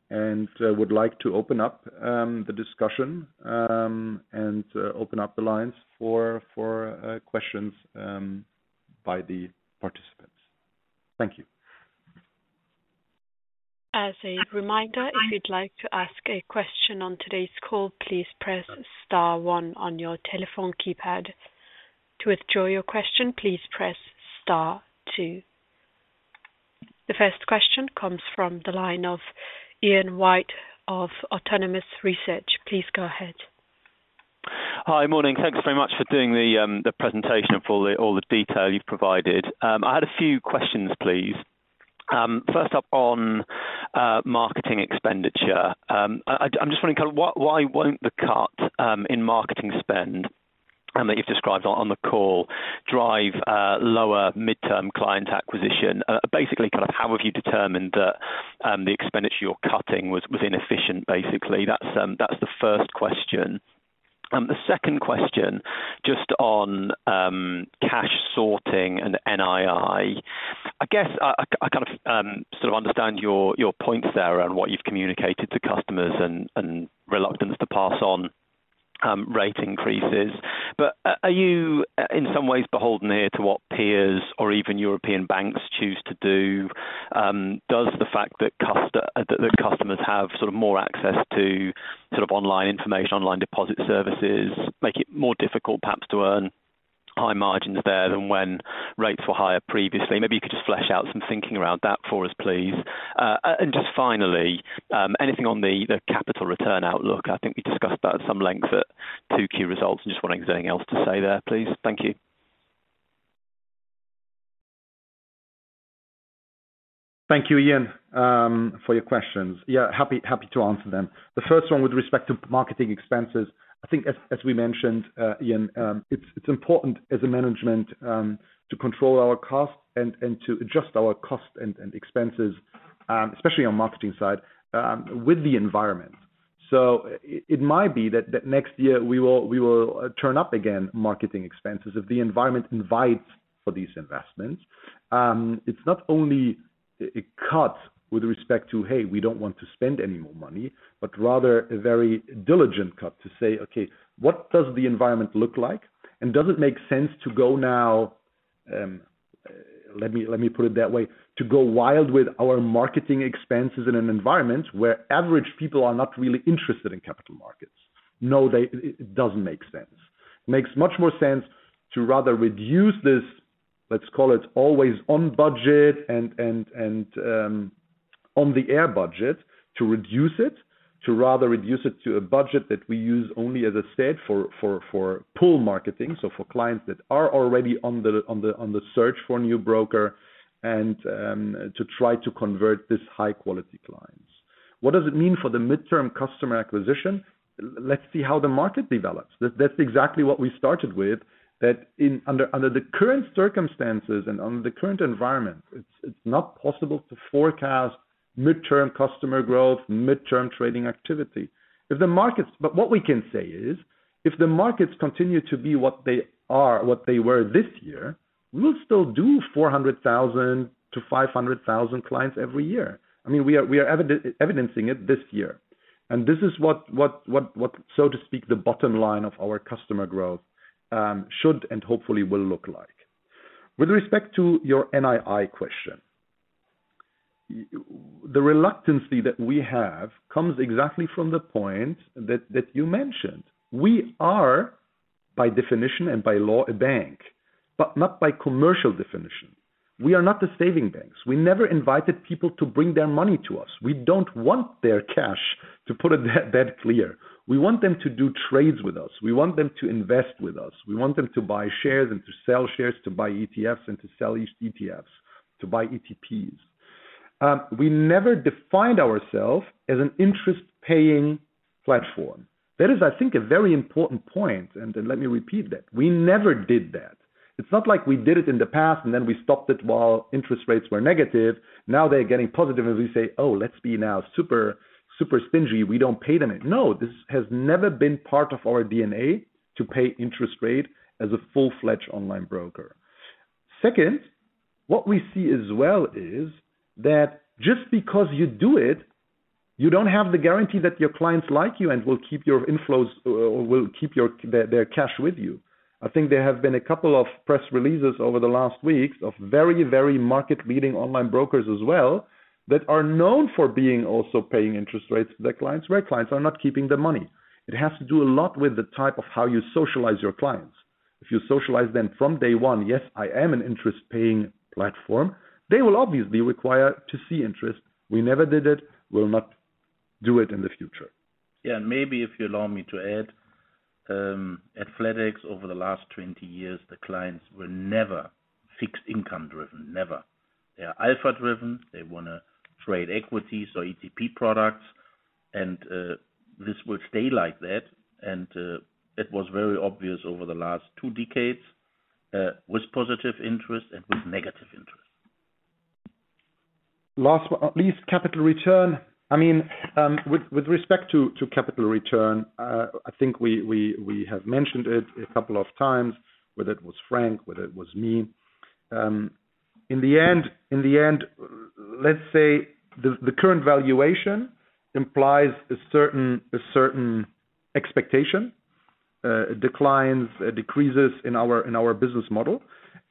Would like to open up the discussion and open up the lines for questions by the participants. Thank you.
As a reminder, if you'd like to ask a question on today's call, please press star one on your telephone keypad. To withdraw your question, please press star two. The first question comes from the line of Ian White of Autonomous Research. Please go ahead.
Hi. Morning. Thanks very much for doing the presentation and for all the detail you've provided. I had a few questions, please. First up on marketing expenditure. I'm just wondering kind of why the cut in marketing spend that you've described on the call drive lower midterm client acquisition? Basically kind of how have you determined that the expenditure you're cutting was inefficient, basically? That's the first question. The second question, just on cash sorting and NII. I guess I kind of sort of understand your points there on what you've communicated to customers and reluctance to pass on rate increases. Are you in some ways beholden here to what peers or even European banks choose to do? Does the fact that the customers have sort of more access to sort of online information, online deposit services, make it more difficult perhaps to earn high margins there than when rates were higher previously? Maybe you could just flesh out some thinking around that for us, please. And just finally, anything on the capital return outlook? I think we discussed that at some length at 2Q results. Just wondering if you have anything else to say there, please. Thank you.
Thank you, Ian, for your questions. Yeah, happy to answer them. The first one with respect to marketing expenses. I think as we mentioned, Ian, it's important as a management to control our costs and to adjust our cost and expenses, especially on marketing side, with the environment. It might be that next year we will turn up again marketing expenses if the environment invites for these investments. It's not only a cut with respect to, "Hey, we don't want to spend any more money," but rather a very diligent cut to say, "Okay, what does the environment look like? Does it make sense to go wild with our marketing expenses in an environment where average people are not really interested in capital markets? No, it doesn't make sense. It makes much more sense to rather reduce this, let's call it always-on budget and on-air budget to reduce it to a budget that we use only as a stead for pull marketing. For clients that are already on the search for a new broker and to try to convert this high-quality clients. What does it mean for the mid-term customer acquisition? Let's see how the market develops. That's exactly what we started with, that under the current circumstances and under the current environment, it's not possible to forecast midterm customer growth, midterm trading activity. What we can say is, if the markets continue to be what they are, what they were this year, we'll still do 400,000-500,000 clients every year. I mean, we are evidencing it this year. This is what, so to speak, the bottom line of our customer growth should and hopefully will look like. With respect to your NII question. The reluctance that we have comes exactly from the point that you mentioned. We are by definition and by law a bank, but not by commercial definition. We are not the savings banks. We never invited people to bring their money to us. We don't want their cash, to put it that clear. We want them to do trades with us. We want them to invest with us. We want them to buy shares and to sell shares, to buy ETFs and to sell ETFs, to buy ETPs. We never defined ourselves as an interest-paying platform. That is, I think, a very important point, and let me repeat that. We never did that. It's not like we did it in the past, and then we stopped it while interest rates were negative. Now they're getting positive, and we say, "Oh, let's be now super stingy. We don't pay them." No, this has never been part of our DNA to pay interest rate as a full-fledged online broker. Second, what we see as well is that just because you do it, you don't have the guarantee that your clients like you and will keep your inflows or will keep their cash with you. I think there have been a couple of press releases over the last weeks of very, very market-leading online brokers as well that are known for being also paying interest rates to their clients, where clients are not keeping the money. It has to do a lot with the type of how you socialize your clients. If you socialize them from day one, yes, I am an interest-paying platform. They will obviously require to see interest. We never did it. We'll not do it in the future.
Yeah. Maybe if you allow me to add, at Flatex over the last 20 years, the clients were never fixed income-driven. Never. They are alpha-driven. They wanna trade equities or ETP products, and this will stay like that. It was very obvious over the last 2 decades, with positive interest and with negative interest.
Last but not least, capital return. I mean, with respect to capital return, I think we have mentioned it a couple of times, whether it was Frank, whether it was me. In the end, let's say the current valuation implies a certain expectation, decreases in our business model.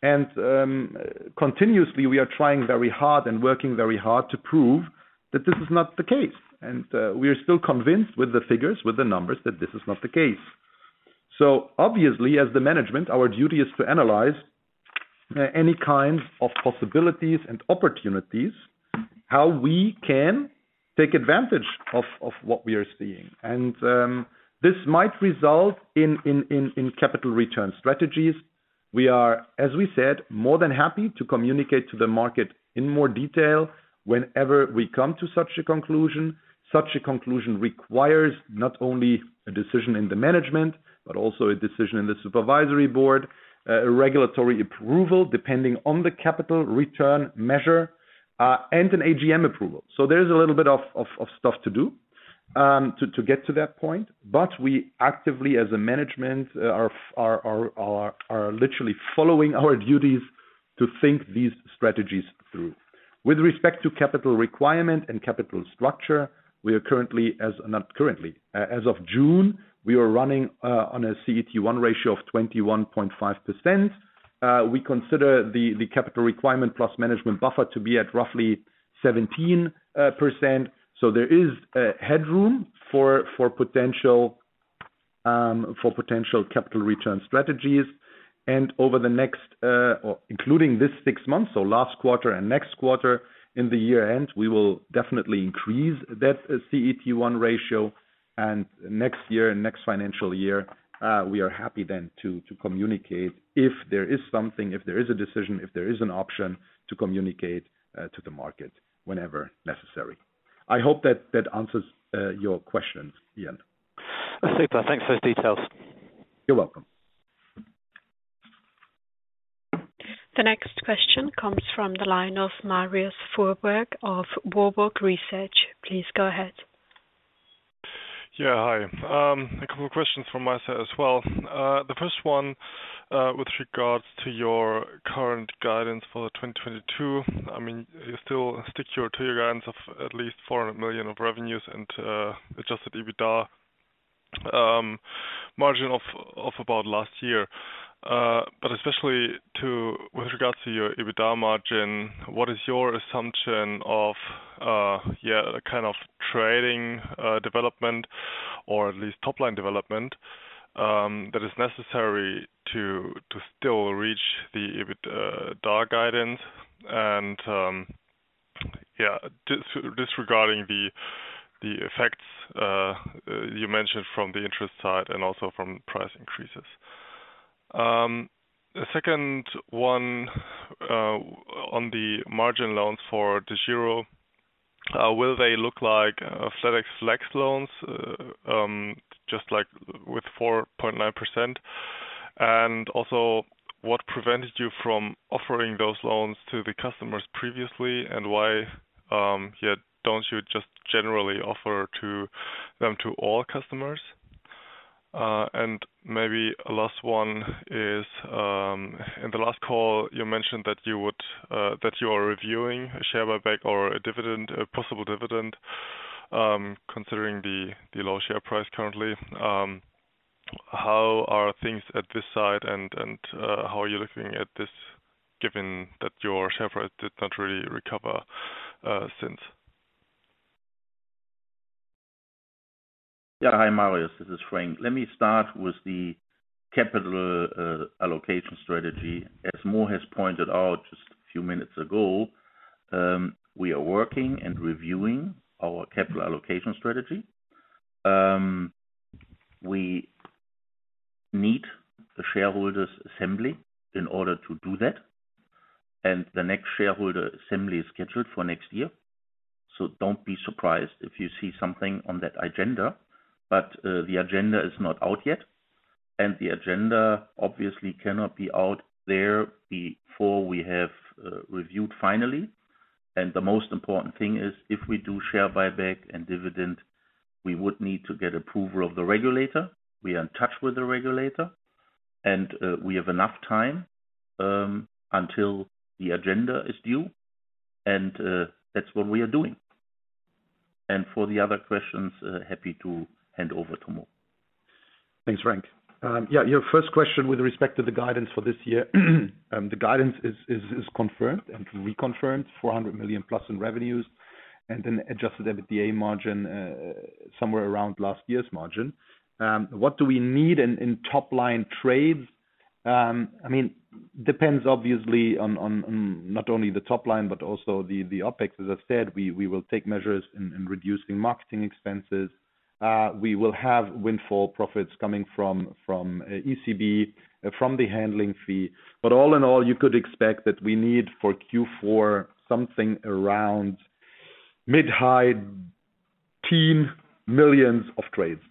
Continuously, we are trying very hard and working very hard to prove that this is not the case. We are still convinced with the figures, with the numbers, that this is not the case. Obviously, as the management, our duty is to analyze any kind of possibilities and opportunities, how we can take advantage of what we are seeing. This might result in capital return strategies. We are, as we said, more than happy to communicate to the market in more detail whenever we come to such a conclusion. Such a conclusion requires not only a decision in the management, but also a decision in the supervisory board, a regulatory approval depending on the capital return measure, and an AGM approval. There is a little bit of stuff to do to get to that point. We actively, as a management, are literally following our duties to think these strategies through. With respect to capital requirement and capital structure, we are as of June running on a CET1 ratio of 21.5%. We consider the capital requirement plus management buffer to be at roughly 17%. There is headroom for potential capital return strategies. Over the next, or including this six months, so last quarter and next quarter in the year-end, we will definitely increase that CET1 ratio. Next year and next financial year, we are happy then to communicate if there is something, if there is a decision, if there is an option to communicate to the market whenever necessary. I hope that that answers your questions, Ian.
Super. Thanks for those details.
You're welcome.
The next question comes from the line of Marius Fuhrberg of Warburg Research. Please go ahead.
Hi. A couple of questions from my side as well. The first one, with regards to your current guidance for 2022. I mean, you still stick to your guidance of at least 400 million of revenues and adjusted EBITDA margin of about last year. But especially with regards to your EBITDA margin, what is your assumption of the kind of trading development or at least top-line development that is necessary to still reach the EBITDA guidance? Disregarding the effects you mentioned from the interest side and also from price increases. The second one, on the margin loans for DEGIRO, will they look like flatex flex loans just like with 4.9%? Also, what prevented you from offering those loans to the customers previously? Why don't you just generally offer to them to all customers? Maybe a last one is, in the last call, you mentioned that you are reviewing a share buyback or a possible dividend, considering the low share price currently. How are things at this side and how are you looking at this, given that your share price did not really recover since?
Yeah. Hi, Marius. This is Frank. Let me start with the capital allocation strategy. As Mo has pointed out just a few minutes ago, we are working and reviewing our capital allocation strategy. We need the shareholders assembly in order to do that. The next shareholder assembly is scheduled for next year. Don't be surprised if you see something on that agenda. The agenda is not out yet, and the agenda obviously cannot be out there before we have reviewed finally. The most important thing is if we do share buyback and dividend, we would need to get approval of the regulator. We are in touch with the regulator, and we have enough time until the agenda is due. That's what we are doing. For the other questions, happy to hand over to Mo.
Thanks, Frank. Yeah, your first question with respect to the guidance for this year, the guidance is confirmed and reconfirmed 400 million plus in revenues and an adjusted EBITDA margin somewhere around last year's margin. What do we need in top line trades? I mean, depends obviously on not only the top line but also the OpEx. As I said, we will take measures in reducing marketing expenses. We will have windfall profits coming from ECB, from the handling fee. But all in all, you could expect that we need for Q4 something around mid-high teen millions of trades.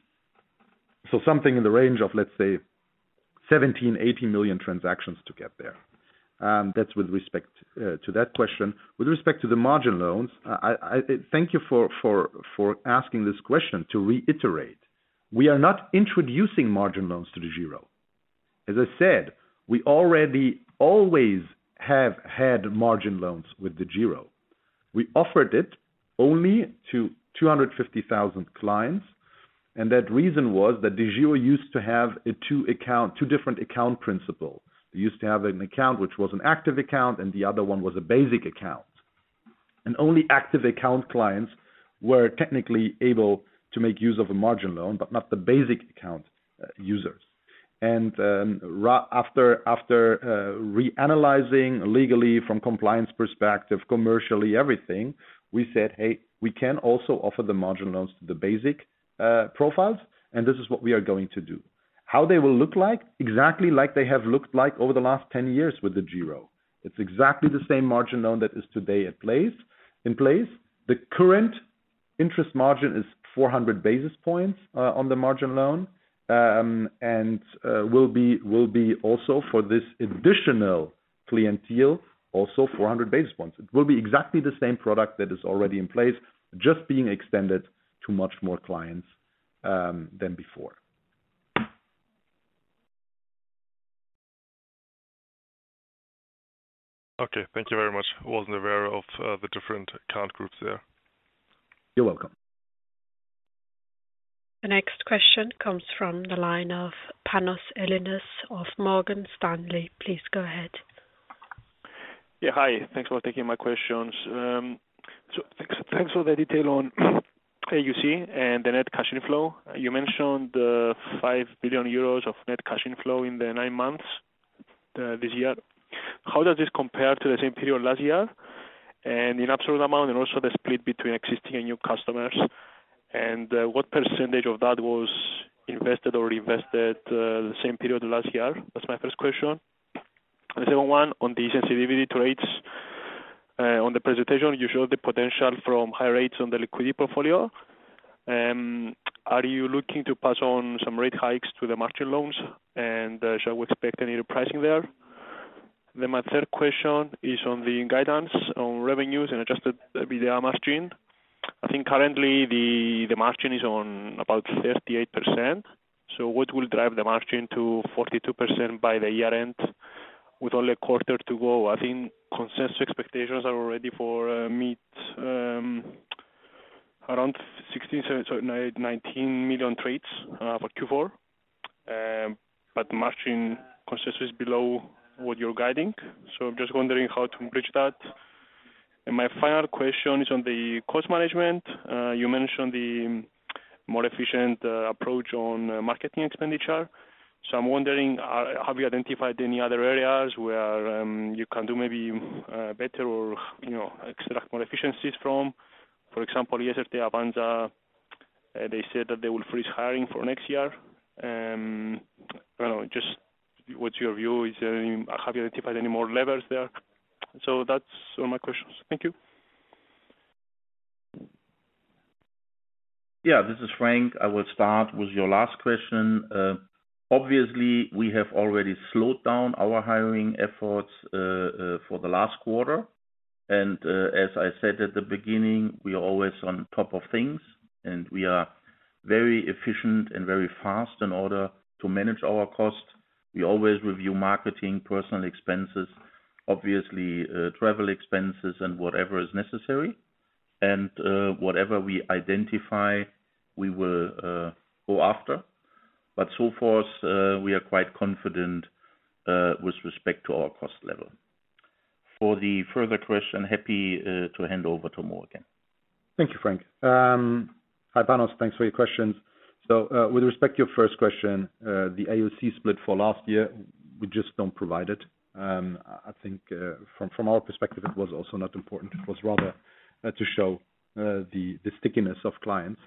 So something in the range of, let's say, 17-18 million transactions to get there. That's with respect to that question. With respect to the margin loans, thank you for asking this question to reiterate. We are not introducing margin loans to DEGIRO. As I said, we already always have had margin loans with DEGIRO. We offered it only to 250,000 clients, and that reason was that DEGIRO used to have a two-account principle. They used to have an account which was an active account, and the other one was a basic account. Only active account clients were technically able to make use of a margin loan, but not the basic account users. After reanalyzing legally from compliance perspective, commercially, everything, we said, "Hey, we can also offer the margin loans to the basic profiles, and this is what we are going to do." How they will look like? Exactly like they have looked like over the last 10 years with the DEGIRO. It's exactly the same margin loan that is today in place. The current interest margin is 400 basis points on the margin loan, and will be also for this additional clientele, also 400 basis points. It will be exactly the same product that is already in place, just being extended to much more clients than before.
Okay. Thank you very much. Wasn't aware of the different account groups there.
You're welcome.
The next question comes from the line of Panos Linos of Morgan Stanley. Please go ahead.
Yeah. Hi. Thanks for taking my questions. Thanks for the detail on AUC and the net cash inflow. You mentioned 5 billion euros of net cash inflow in the nine months this year. How does this compare to the same period last year? In absolute amount, and also the split between existing and new customers. What percentage of that was invested or reinvested the same period last year? That's my first question. The second one on the sensitivity to rates. On the presentation, you showed the potential from higher rates on the liquidity portfolio. Are you looking to pass on some rate hikes to the margin loans? And shall we expect any repricing there? My third question is on the guidance on revenues and adjusted EBITDA margin. I think currently the margin is on about 38%. What will drive the margin to 42% by the year-end with only a quarter to go? I think consensus expectations are already for around 16, sorry, 19 million trades for Q4. But margin consensus is below what you're guiding. I'm just wondering how to bridge that. My final question is on the cost management. You mentioned the more efficient approach on marketing expenditure. I'm wondering, have you identified any other areas where you can do maybe better or, you know, extract more efficiencies from? For example, yesterday Avanza, they said that they will freeze hiring for next year. I don't know, just what's your view? Have you identified any more levers there? That's all my questions. Thank you.
Yeah. This is Frank. I will start with your last question. Obviously, we have already slowed down our hiring efforts for the last quarter. As I said at the beginning, we are always on top of things, and we are very efficient and very fast in order to manage our cost. We always review marketing, personnel expenses, obviously, travel expenses and whatever is necessary. Whatever we identify, we will go after. So far, we are quite confident with respect to our cost level. For the further question, happy to hand over to Muhamad.
Thank you, Frank. Hi, Panos, thanks for your questions. With respect to your first question, the AUC split for last year, we just don't provide it. I think, from our perspective, it was also not important. It was rather to show the stickiness of clients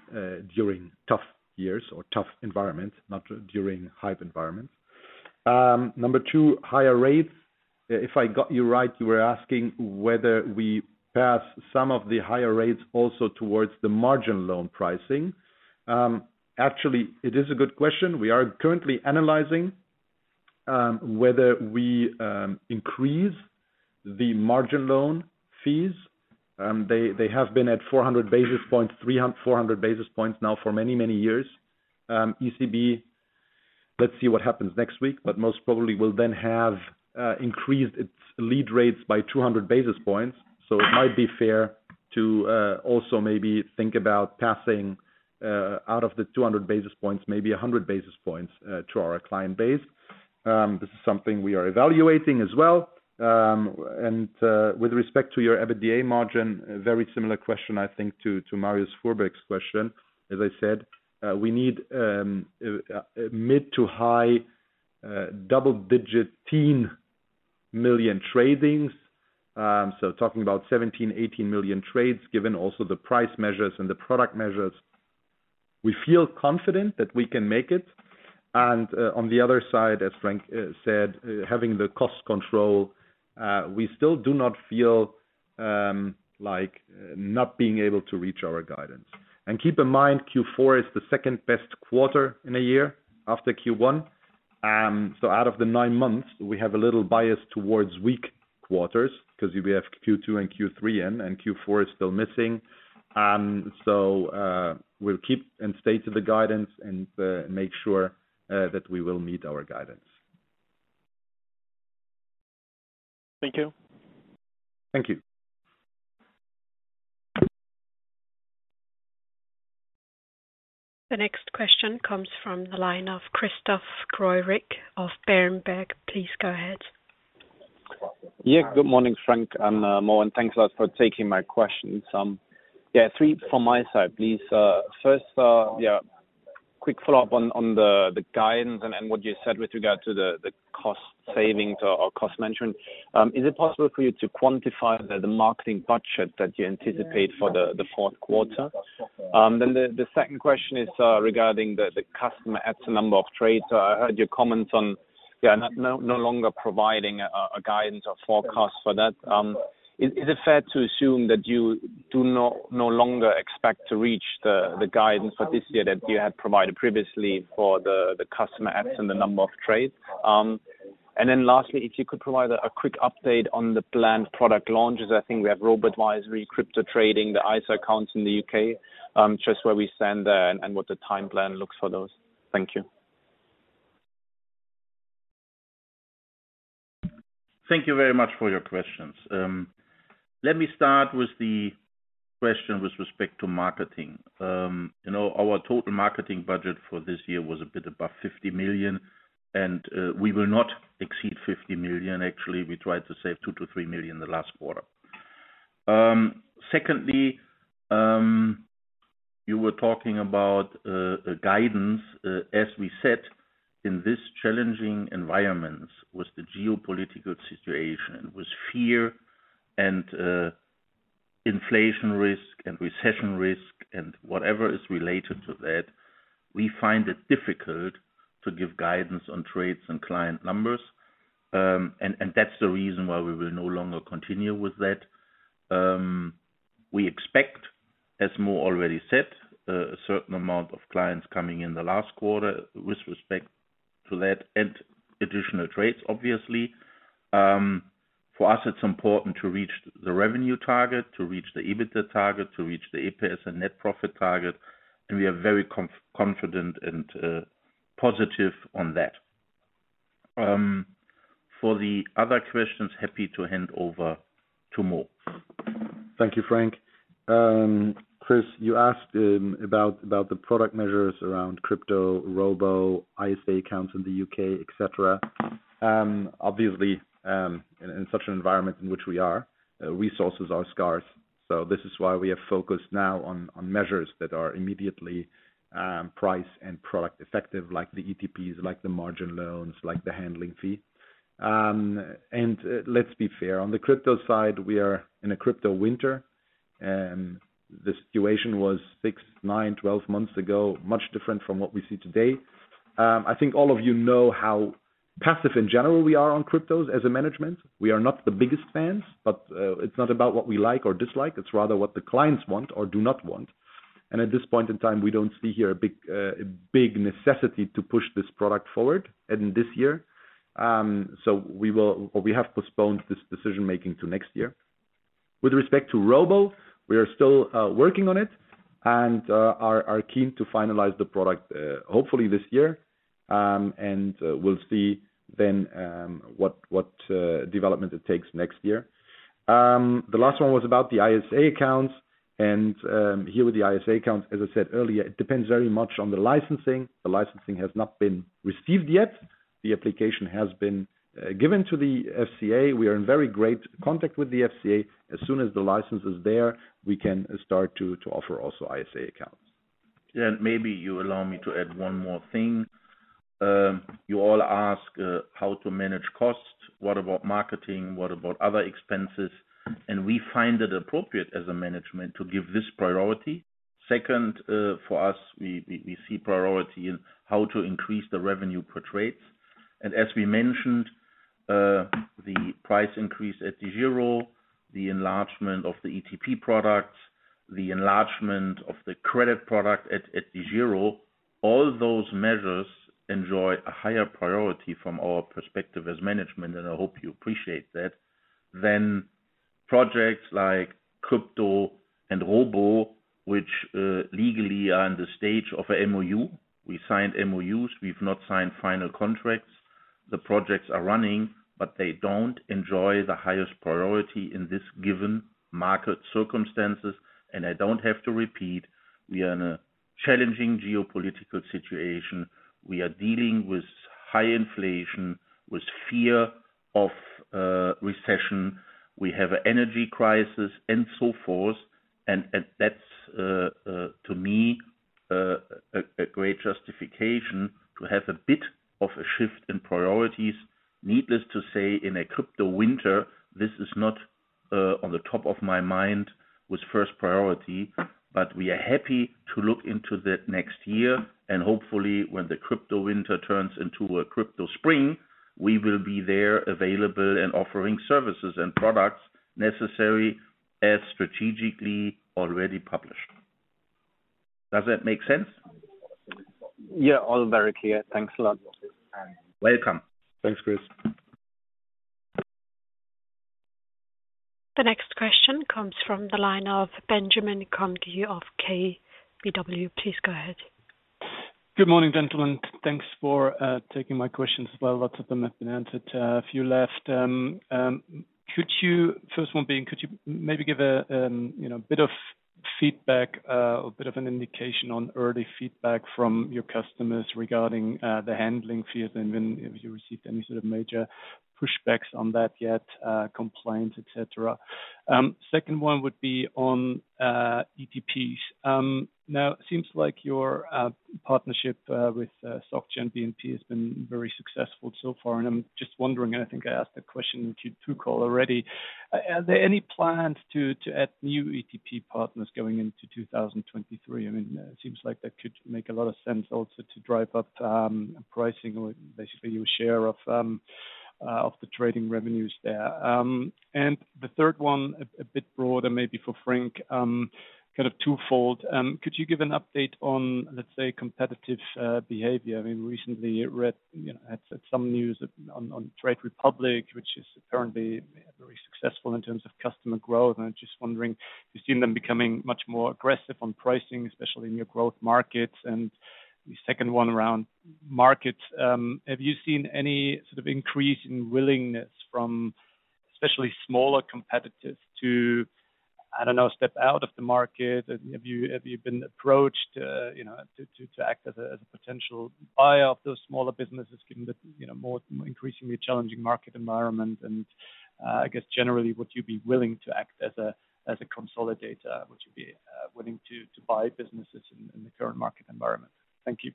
during tough years or tough environments, not during hype environments. Number two, higher rates. If I got you right, you were asking whether we pass some of the higher rates also towards the margin loan pricing. Actually, it is a good question. We are currently analyzing whether we increase the margin loan fees. They have been at 400 basis points now for many years. ECB
Let's see what happens next week, but most probably will then have increased its lending rates by 200 basis points. It might be fair to also maybe think about passing out of the 200 basis points, maybe 100 basis points to our client base. This is something we are evaluating as well. With respect to your EBITDA margin, a very similar question, I think to Marius Fuhrberg's question. As I said, we need mid- to high double-digit teen million tradings. Talking about 17-18 million trades, given also the price measures and the product measures. We feel confident that we can make it. On the other side, as Frank said, having the cost control, we still do not feel like not being able to reach our guidance. Keep in mind, Q4 is the second best quarter in a year after Q1. Out of the nine months, we have a little bias towards weak quarters because we have Q2 and Q3, and Q4 is still missing. We'll keep and stay to the guidance and make sure that we will meet our guidance.
Thank you.
Thank you.
The next question comes from the line of Christoph Greulich of Berenberg. Please go ahead.
Good morning, Frank and Mo. Thanks a lot for taking my questions. Three from my side, please. First, quick follow-up on the guidance and then what you said with regard to the cost savings or cost management. Is it possible for you to quantify the marketing budget that you anticipate for the fourth quarter? Then the second question is regarding the customer adds and number of trades. I heard your comments on no longer providing a guidance or forecast for that. Is it fair to assume that you do no longer expect to reach the guidance for this year that you had provided previously for the customer adds and the number of trades? Lastly, if you could provide a quick update on the planned product launches. I think we have robo-advisory, crypto trading, the ISA accounts in the UK, just where we stand there and what the timeline looks like for those. Thank you.
Thank you very much for your questions. Let me start with the question with respect to marketing. You know, our total marketing budget for this year was a bit above 50 million, and we will not exceed 50 million. Actually, we tried to save 2-3 million the last quarter. Secondly, you were talking about a guidance, as we said, in this challenging environment, with the geopolitical situation, with fear and inflation risk and recession risk and whatever is related to that, we find it difficult to give guidance on trades and client numbers. And that's the reason why we will no longer continue with that. We expect, as Mo already said, a certain amount of clients coming in the last quarter with respect to that and additional trades, obviously. For us, it's important to reach the revenue target, to reach the EBITDA target, to reach the EPS and net profit target, and we are very confident and positive on that. For the other questions, happy to hand over to Mo.
Thank you, Frank. Chris, you asked about the product measures around crypto, robo, ISA accounts in the UK, et cetera. Obviously, in such an environment in which we are, resources are scarce. This is why we are focused now on measures that are immediately price and product effective, like the ETPs, like the margin loans, like the handling fee. Let's be fair. On the crypto side, we are in a crypto winter, and the situation was 6, 9, 12 months ago, much different from what we see today. I think all of you know how passive in general we are on cryptos as a management. We are not the biggest fans, but it's not about what we like or dislike. It's rather what the clients want or do not want. At this point in time, we don't see here a big necessity to push this product forward in this year. We have postponed this decision-making to next year. With respect to robo, we are still working on it and are keen to finalize the product, hopefully this year. We'll see then what development it takes next year. The last one was about the ISA accounts. Here with the ISA accounts, as I said earlier, it depends very much on the licensing. The licensing has not been received yet. The application has been given to the FCA. We are in very good contact with the FCA. As soon as the license is there, we can start to offer also ISA accounts.
Maybe you allow me to add one more thing. You all ask how to manage costs, what about marketing? What about other expenses? We find it appropriate as a management to give this priority. Second, for us, we see priority in how to increase the revenue per trades. As we mentioned, the price increase at the zero, the enlargement of the ETP products, the enlargement of the credit product at the zero, all those measures enjoy a higher priority from our perspective as management, and I hope you appreciate that, than projects like Crypto and Robo, which legally are in the stage of a MOU. We signed MOUs, we've not signed final contracts. The projects are running, but they don't enjoy the highest priority in this given market circumstances. I don't have to repeat, we are in a challenging geopolitical situation. We are dealing with high inflation, with fear of recession. We have energy crisis and so forth. That's to me a great justification to have a bit of a shift in priorities. Needless to say, in a crypto winter, this is not on the top of my mind with first priority, but we are happy to look into that next year, and hopefully, when the crypto winter turns into a crypto spring, we will be there available and offering services and products necessary as strategically already published. Does that make sense?
Yeah. All very clear. Thanks a lot.
Welcome.
Thanks, Chris.
The next question comes from the line of Benjamin Konji of KBW. Please go ahead.
Good morning, gentlemen. Thanks for taking my questions as well. Lots of them have been answered. A few left. First one being, could you maybe give a, you know, bit of feedback or a bit of an indication on early feedback from your customers regarding the handling fee, and then if you received any sort of major pushbacks on that yet, complaints, et cetera. Second one would be on ETPs. Now it seems like your partnership with SocGen BNP has been very successful so far, and I'm just wondering, and I think I asked a question to Cole already. Are there any plans to add new ETP partners going into 2023? I mean, it seems like that could make a lot of sense also to drive up pricing or basically your share of the trading revenues there. The third one a bit broader, maybe for Frank, kind of twofold. Could you give an update on, let's say, competitive behavior? I mean, I recently read, you know, had some news on Trade Republic, which is currently very successful in terms of customer growth. I'm just wondering, you've seen them becoming much more aggressive on pricing, especially in your growth markets. The second one around markets, have you seen any sort of increase in willingness from especially smaller competitors to, I don't know, step out of the market? Have you been approached, you know, to act as a potential buyer of those smaller businesses given the, you know, more increasingly challenging market environment? I guess generally, would you be willing to act as a consolidator? Would you be willing to buy businesses in the current market environment? Thank you.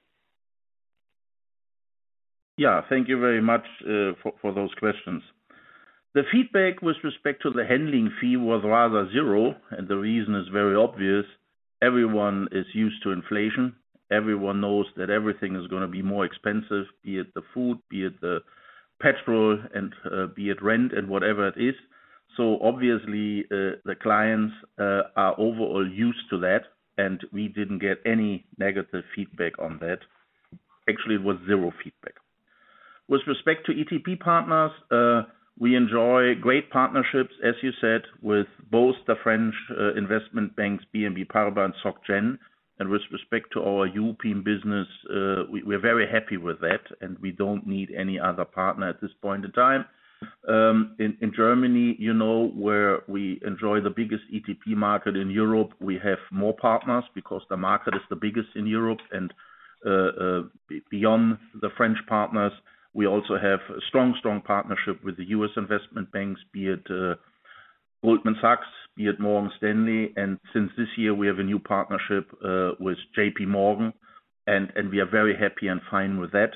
Yeah. Thank you very much for those questions. The feedback with respect to the handling fee was rather zero, and the reason is very obvious. Everyone is used to inflation. Everyone knows that everything is gonna be more expensive, be it the food, be it the petrol, and be it rent and whatever it is. Obviously, the clients are overall used to that, and we didn't get any negative feedback on that. Actually, it was zero feedback. With respect to ETP partners, we enjoy great partnerships, as you said, with both the French investment banks, BNP Paribas and SocGen. With respect to our European business, we're very happy with that, and we don't need any other partner at this point in time. In Germany, you know, where we enjoy the biggest ETP market in Europe, we have more partners because the market is the biggest in Europe. Beyond the French partners, we also have a strong partnership with the U.S. investment banks, be it Goldman Sachs, be it Morgan Stanley, and since this year, we have a new partnership with J.P. Morgan, and we are very happy and fine with that.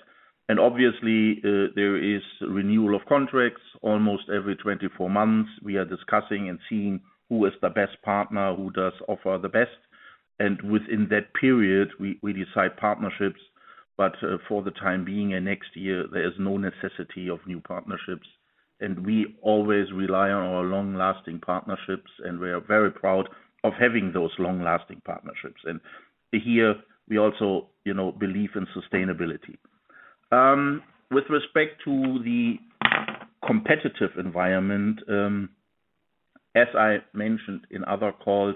Obviously, there is renewal of contracts almost every 24 months. We are discussing and seeing who is the best partner, who does offer the best. Within that period, we decide partnerships. For the time being and next year, there is no necessity of new partnerships. We always rely on our long-lasting partnerships, and we are very proud of having those long-lasting partnerships. Here we also, you know, believe in sustainability. With respect to the competitive environment, as I mentioned in other calls,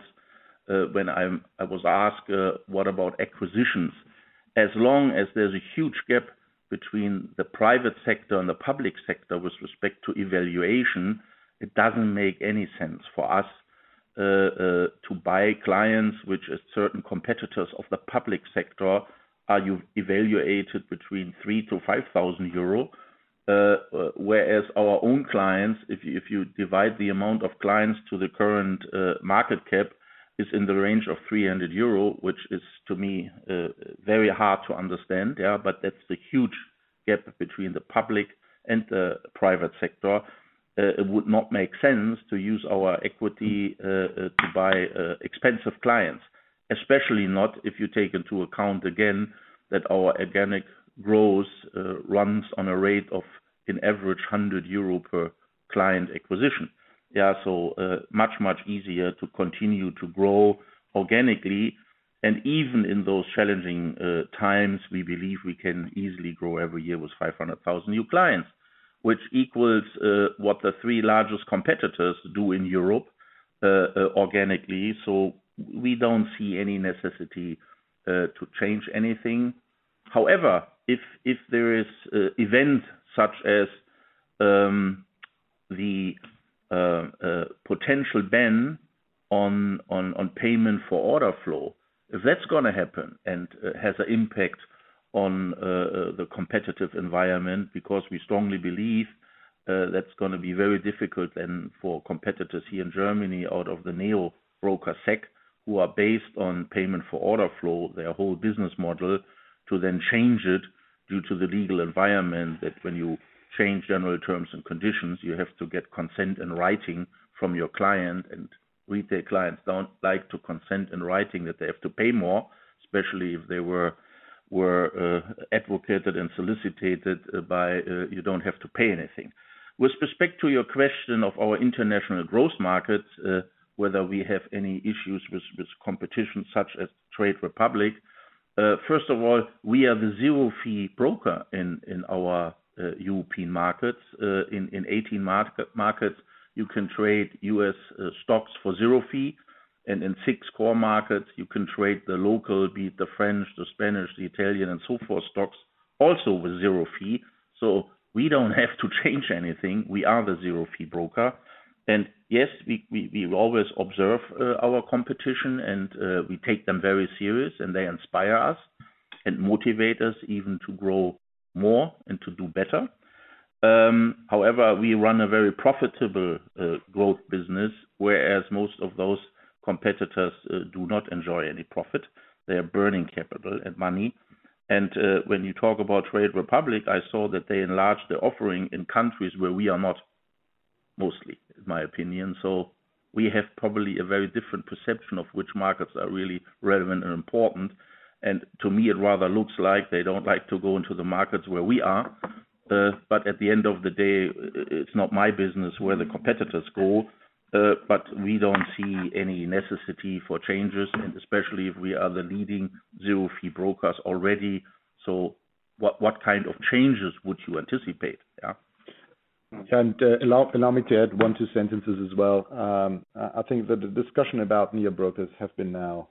when I was asked what about acquisitions. As long as there's a huge gap between the private sector and the public sector with respect to valuation, it doesn't make any sense for us to buy clients, which is certain competitors of the public sector, are evaluated between 3,000-5,000 euro. Whereas our own clients, if you divide the amount of clients to the current market cap, is in the range of 300 euro, which is to me very hard to understand. Yeah, but that's the huge gap between the public and the private sector. It would not make sense to use our equity to buy expensive clients, especially not if you take into account again that our organic growth runs on a rate of an average 100 euro per client acquisition. Yeah. Much easier to continue to grow organically. Even in those challenging times, we believe we can easily grow every year with 500,000 new clients, which equals what the three largest competitors do in Europe organically. We don't see any necessity to change anything. However, if there is an event such as the potential ban on payment for order flow, if that's gonna happen and has an impact on the competitive environment, because we strongly believe that's gonna be very difficult than for competitors here in Germany in the neo-broker sector, who are based on payment for order flow, their whole business model, to then change it due to the legal environment, that when you change general terms and conditions, you have to get consent in writing from your client. Retail clients don't like to consent in writing that they have to pay more, especially if they were advertised and solicited by you don't have to pay anything. With respect to your question of our international growth markets, whether we have any issues with competition such as Trade Republic. First of all, we are the zero-fee broker in our European markets. In 18 markets, you can trade US stocks for zero fee. In six core markets, you can trade the local, be it the French, the Spanish, the Italian and so forth, stocks also with zero fee. We don't have to change anything. We are the zero-fee broker. Yes, we always observe our competition and we take them very serious and they inspire us and motivate us even to grow more and to do better. However, we run a very profitable growth business, whereas most of those competitors do not enjoy any profit. They are burning capital and money. When you talk about Trade Republic, I saw that they enlarged the offering in countries where we are not, mostly, in my opinion. We have probably a very different perception of which markets are really relevant and important. To me, it rather looks like they don't like to go into the markets where we are. At the end of the day, it's not my business where the competitors go. We don't see any necessity for changes, and especially if we are the leading zero-fee brokers already. What kind of changes would you anticipate? Yeah.
Allow me to add one or two sentences as well. I think that the discussion about neo brokers have been now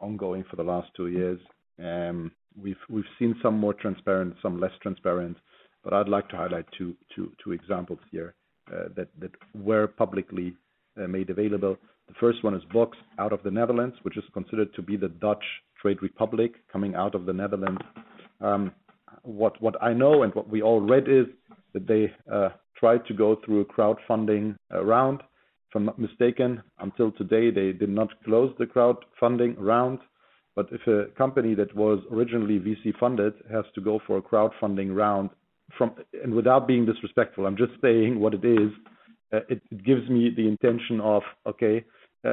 ongoing for the last two years. We've seen some more transparent, some less transparent. I'd like to highlight two examples here that were publicly made available. The first one is BUX out of the Netherlands, which is considered to be the Dutch Trade Republic coming out of the Netherlands. What I know and what we all read is that they tried to go through a crowdfunding round. If I'm not mistaken, until today, they did not close the crowdfunding round. If a company that was originally VC-funded has to go for a crowdfunding round, without being disrespectful, I'm just saying what it is, it gives me the indication of, okay,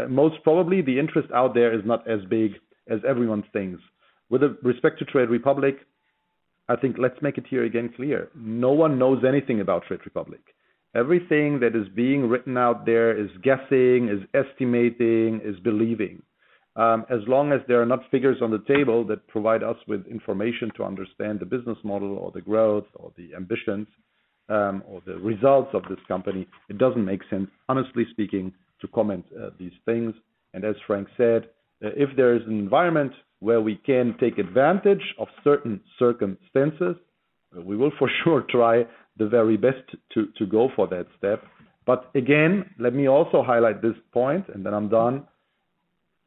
most probably the interest out there is not as big as everyone thinks. With respect to Trade Republic, I think let's make it here again clear. No one knows anything about Trade Republic. Everything that is being written out there is guessing, is estimating, is believing. As long as there are not figures on the table that provide us with information to understand the business model or the growth or the ambitions, or the results of this company, it doesn't make sense, honestly speaking, to comment these things. As Frank said, if there is an environment where we can take advantage of certain circumstances, we will for sure try the very best to go for that step. Again, let me also highlight this point and then I'm done.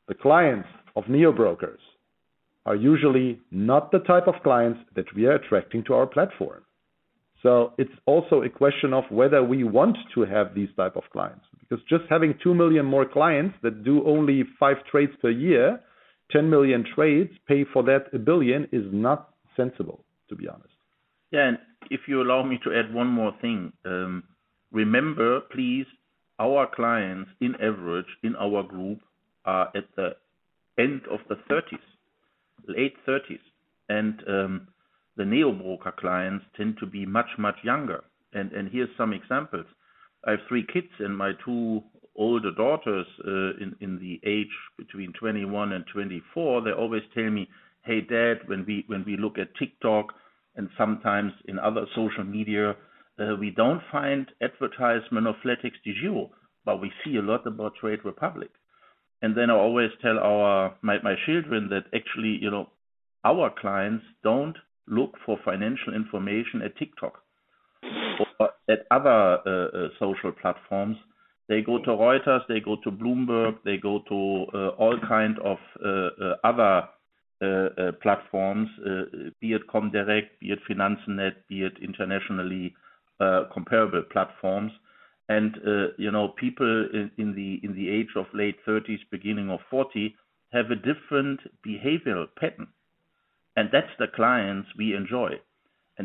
The clients of neo brokers are usually not the type of clients that we are attracting to our platform. It's also a question of whether we want to have these type of clients, because just having 2 million more clients that do only 5 trades per year, 10 million trades pay for that 1 billion is not sensible, to be honest.
Yeah. If you allow me to add one more thing. Remember, please, our clients on average in our group are at the end of the thirties, late thirties. The neo broker clients tend to be much, much younger. Here are some examples. I have three kids and my two older daughters in the age between 21 and 24, they always tell me, "Hey, Dad, when we look at TikTok and sometimes in other social media, we don't find advertisement of flatexDEGIRO, but we see a lot about Trade Republic." Then I always tell my children that actually, you know, our clients don't look for financial information at TikTok or at other social platforms. They go to Reuters, they go to Bloomberg, they go to all kind of other platforms, be it Comdirect, be it finanzen.net, be it internationally comparable platforms. You know, people in the age of late thirties, beginning of forty, have a different behavioral pattern. That's the clients we enjoy.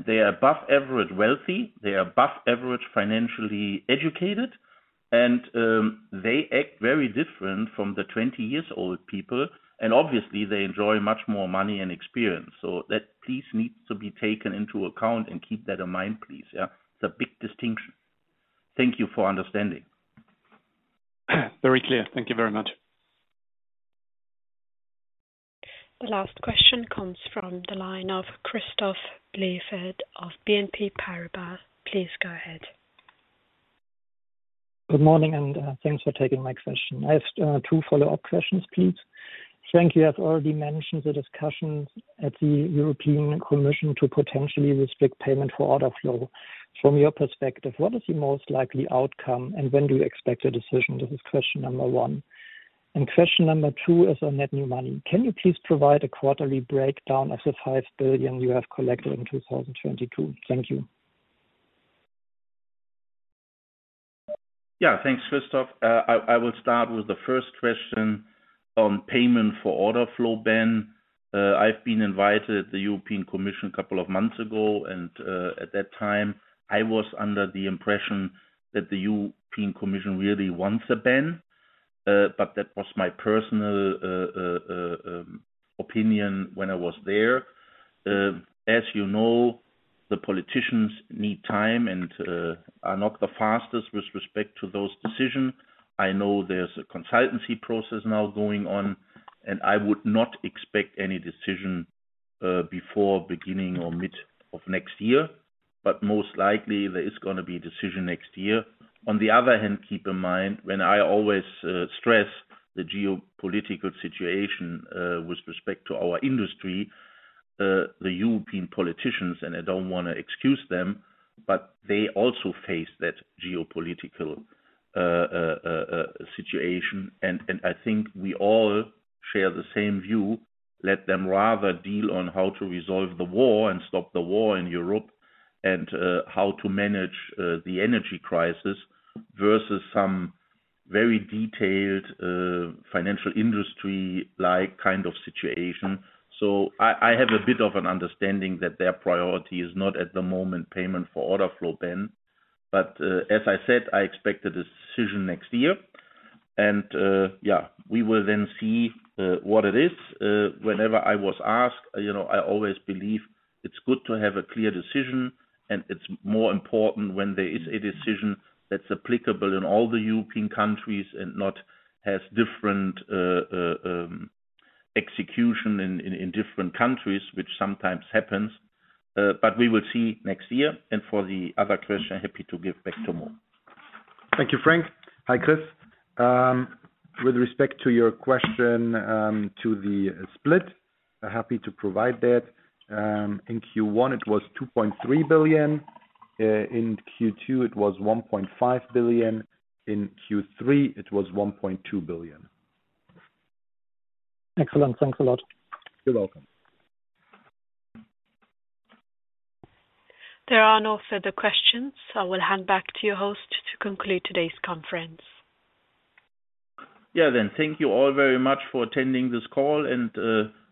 They are above average wealthy, they are above average financially educated, and they act very different from the twenty-year-old people. Obviously, they enjoy much more money and experience. That please needs to be taken into account and keep that in mind, please. Yeah. It's a big distinction. Thank you for understanding. Very clear. Thank you very much.
The last question comes from the line of Christophe Blandford-Newson of BNP Paribas. Please go ahead.
Good morning, and thanks for taking my question. I have two follow-up questions, please. Frank, you have already mentioned the discussions at the European Commission to potentially restrict payment for order flow. From your perspective, what is the most likely outcome, and when do you expect a decision? This is question number one. Question number two is on net new money. Can you please provide a quarterly breakdown of the 5 billion you have collected in 2022? Thank you.
Yeah. Thanks, Christophe. I will start with the first question on payment for order flow ban. I've been invited to the European Commission a couple of months ago, and at that time, I was under the impression that the European Commission really wants a ban, but that was my personal opinion when I was there. As you know, the politicians need time and are not the fastest with respect to those decisions. I know there's a consultation process now going on, and I would not expect any decision before beginning or mid of next year, but most likely there is gonna be a decision next year. On the other hand, keep in mind, when I always stress the geopolitical situation with respect to our industry, the European politicians, and I don't wanna excuse them, but they also face that geopolitical situation. I think we all share the same view. Let them rather deal on how to resolve the war and stop the war in Europe and how to manage the energy crisis versus some very detailed financial industry like kind of situation. I have a bit of an understanding that their priority is not at the moment payment for order flow ban. As I said, I expect a decision next year. Yeah, we will then see what it is. Whenever I was asked, you know, I always believe it's good to have a clear decision, and it's more important when there is a decision that's applicable in all the European countries and not has different execution in different countries, which sometimes happens. But we will see next year. For the other question, happy to give back to Mo.
Thank you, Frank. Hi, Chris. With respect to your question, to the split, happy to provide that. In Q1, it was 2.3 billion. In Q2, it was 1.5 billion. In Q3, it was 1.2 billion.
Excellent. Thanks a lot.
You're welcome.
There are no further questions. I will hand back to your host to conclude today's conference.
Thank you all very much for attending this call.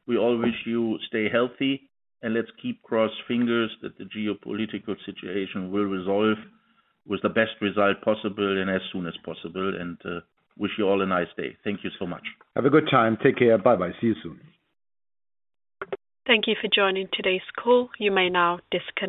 We all wish you stay healthy, and let's keep fingers crossed that the geopolitical situation will resolve with the best result possible and as soon as possible. Wish you all a nice day. Thank you so much.
Have a good time. Take care. Bye-bye. See you soon.
Thank you for joining today's call. You may now disconnect.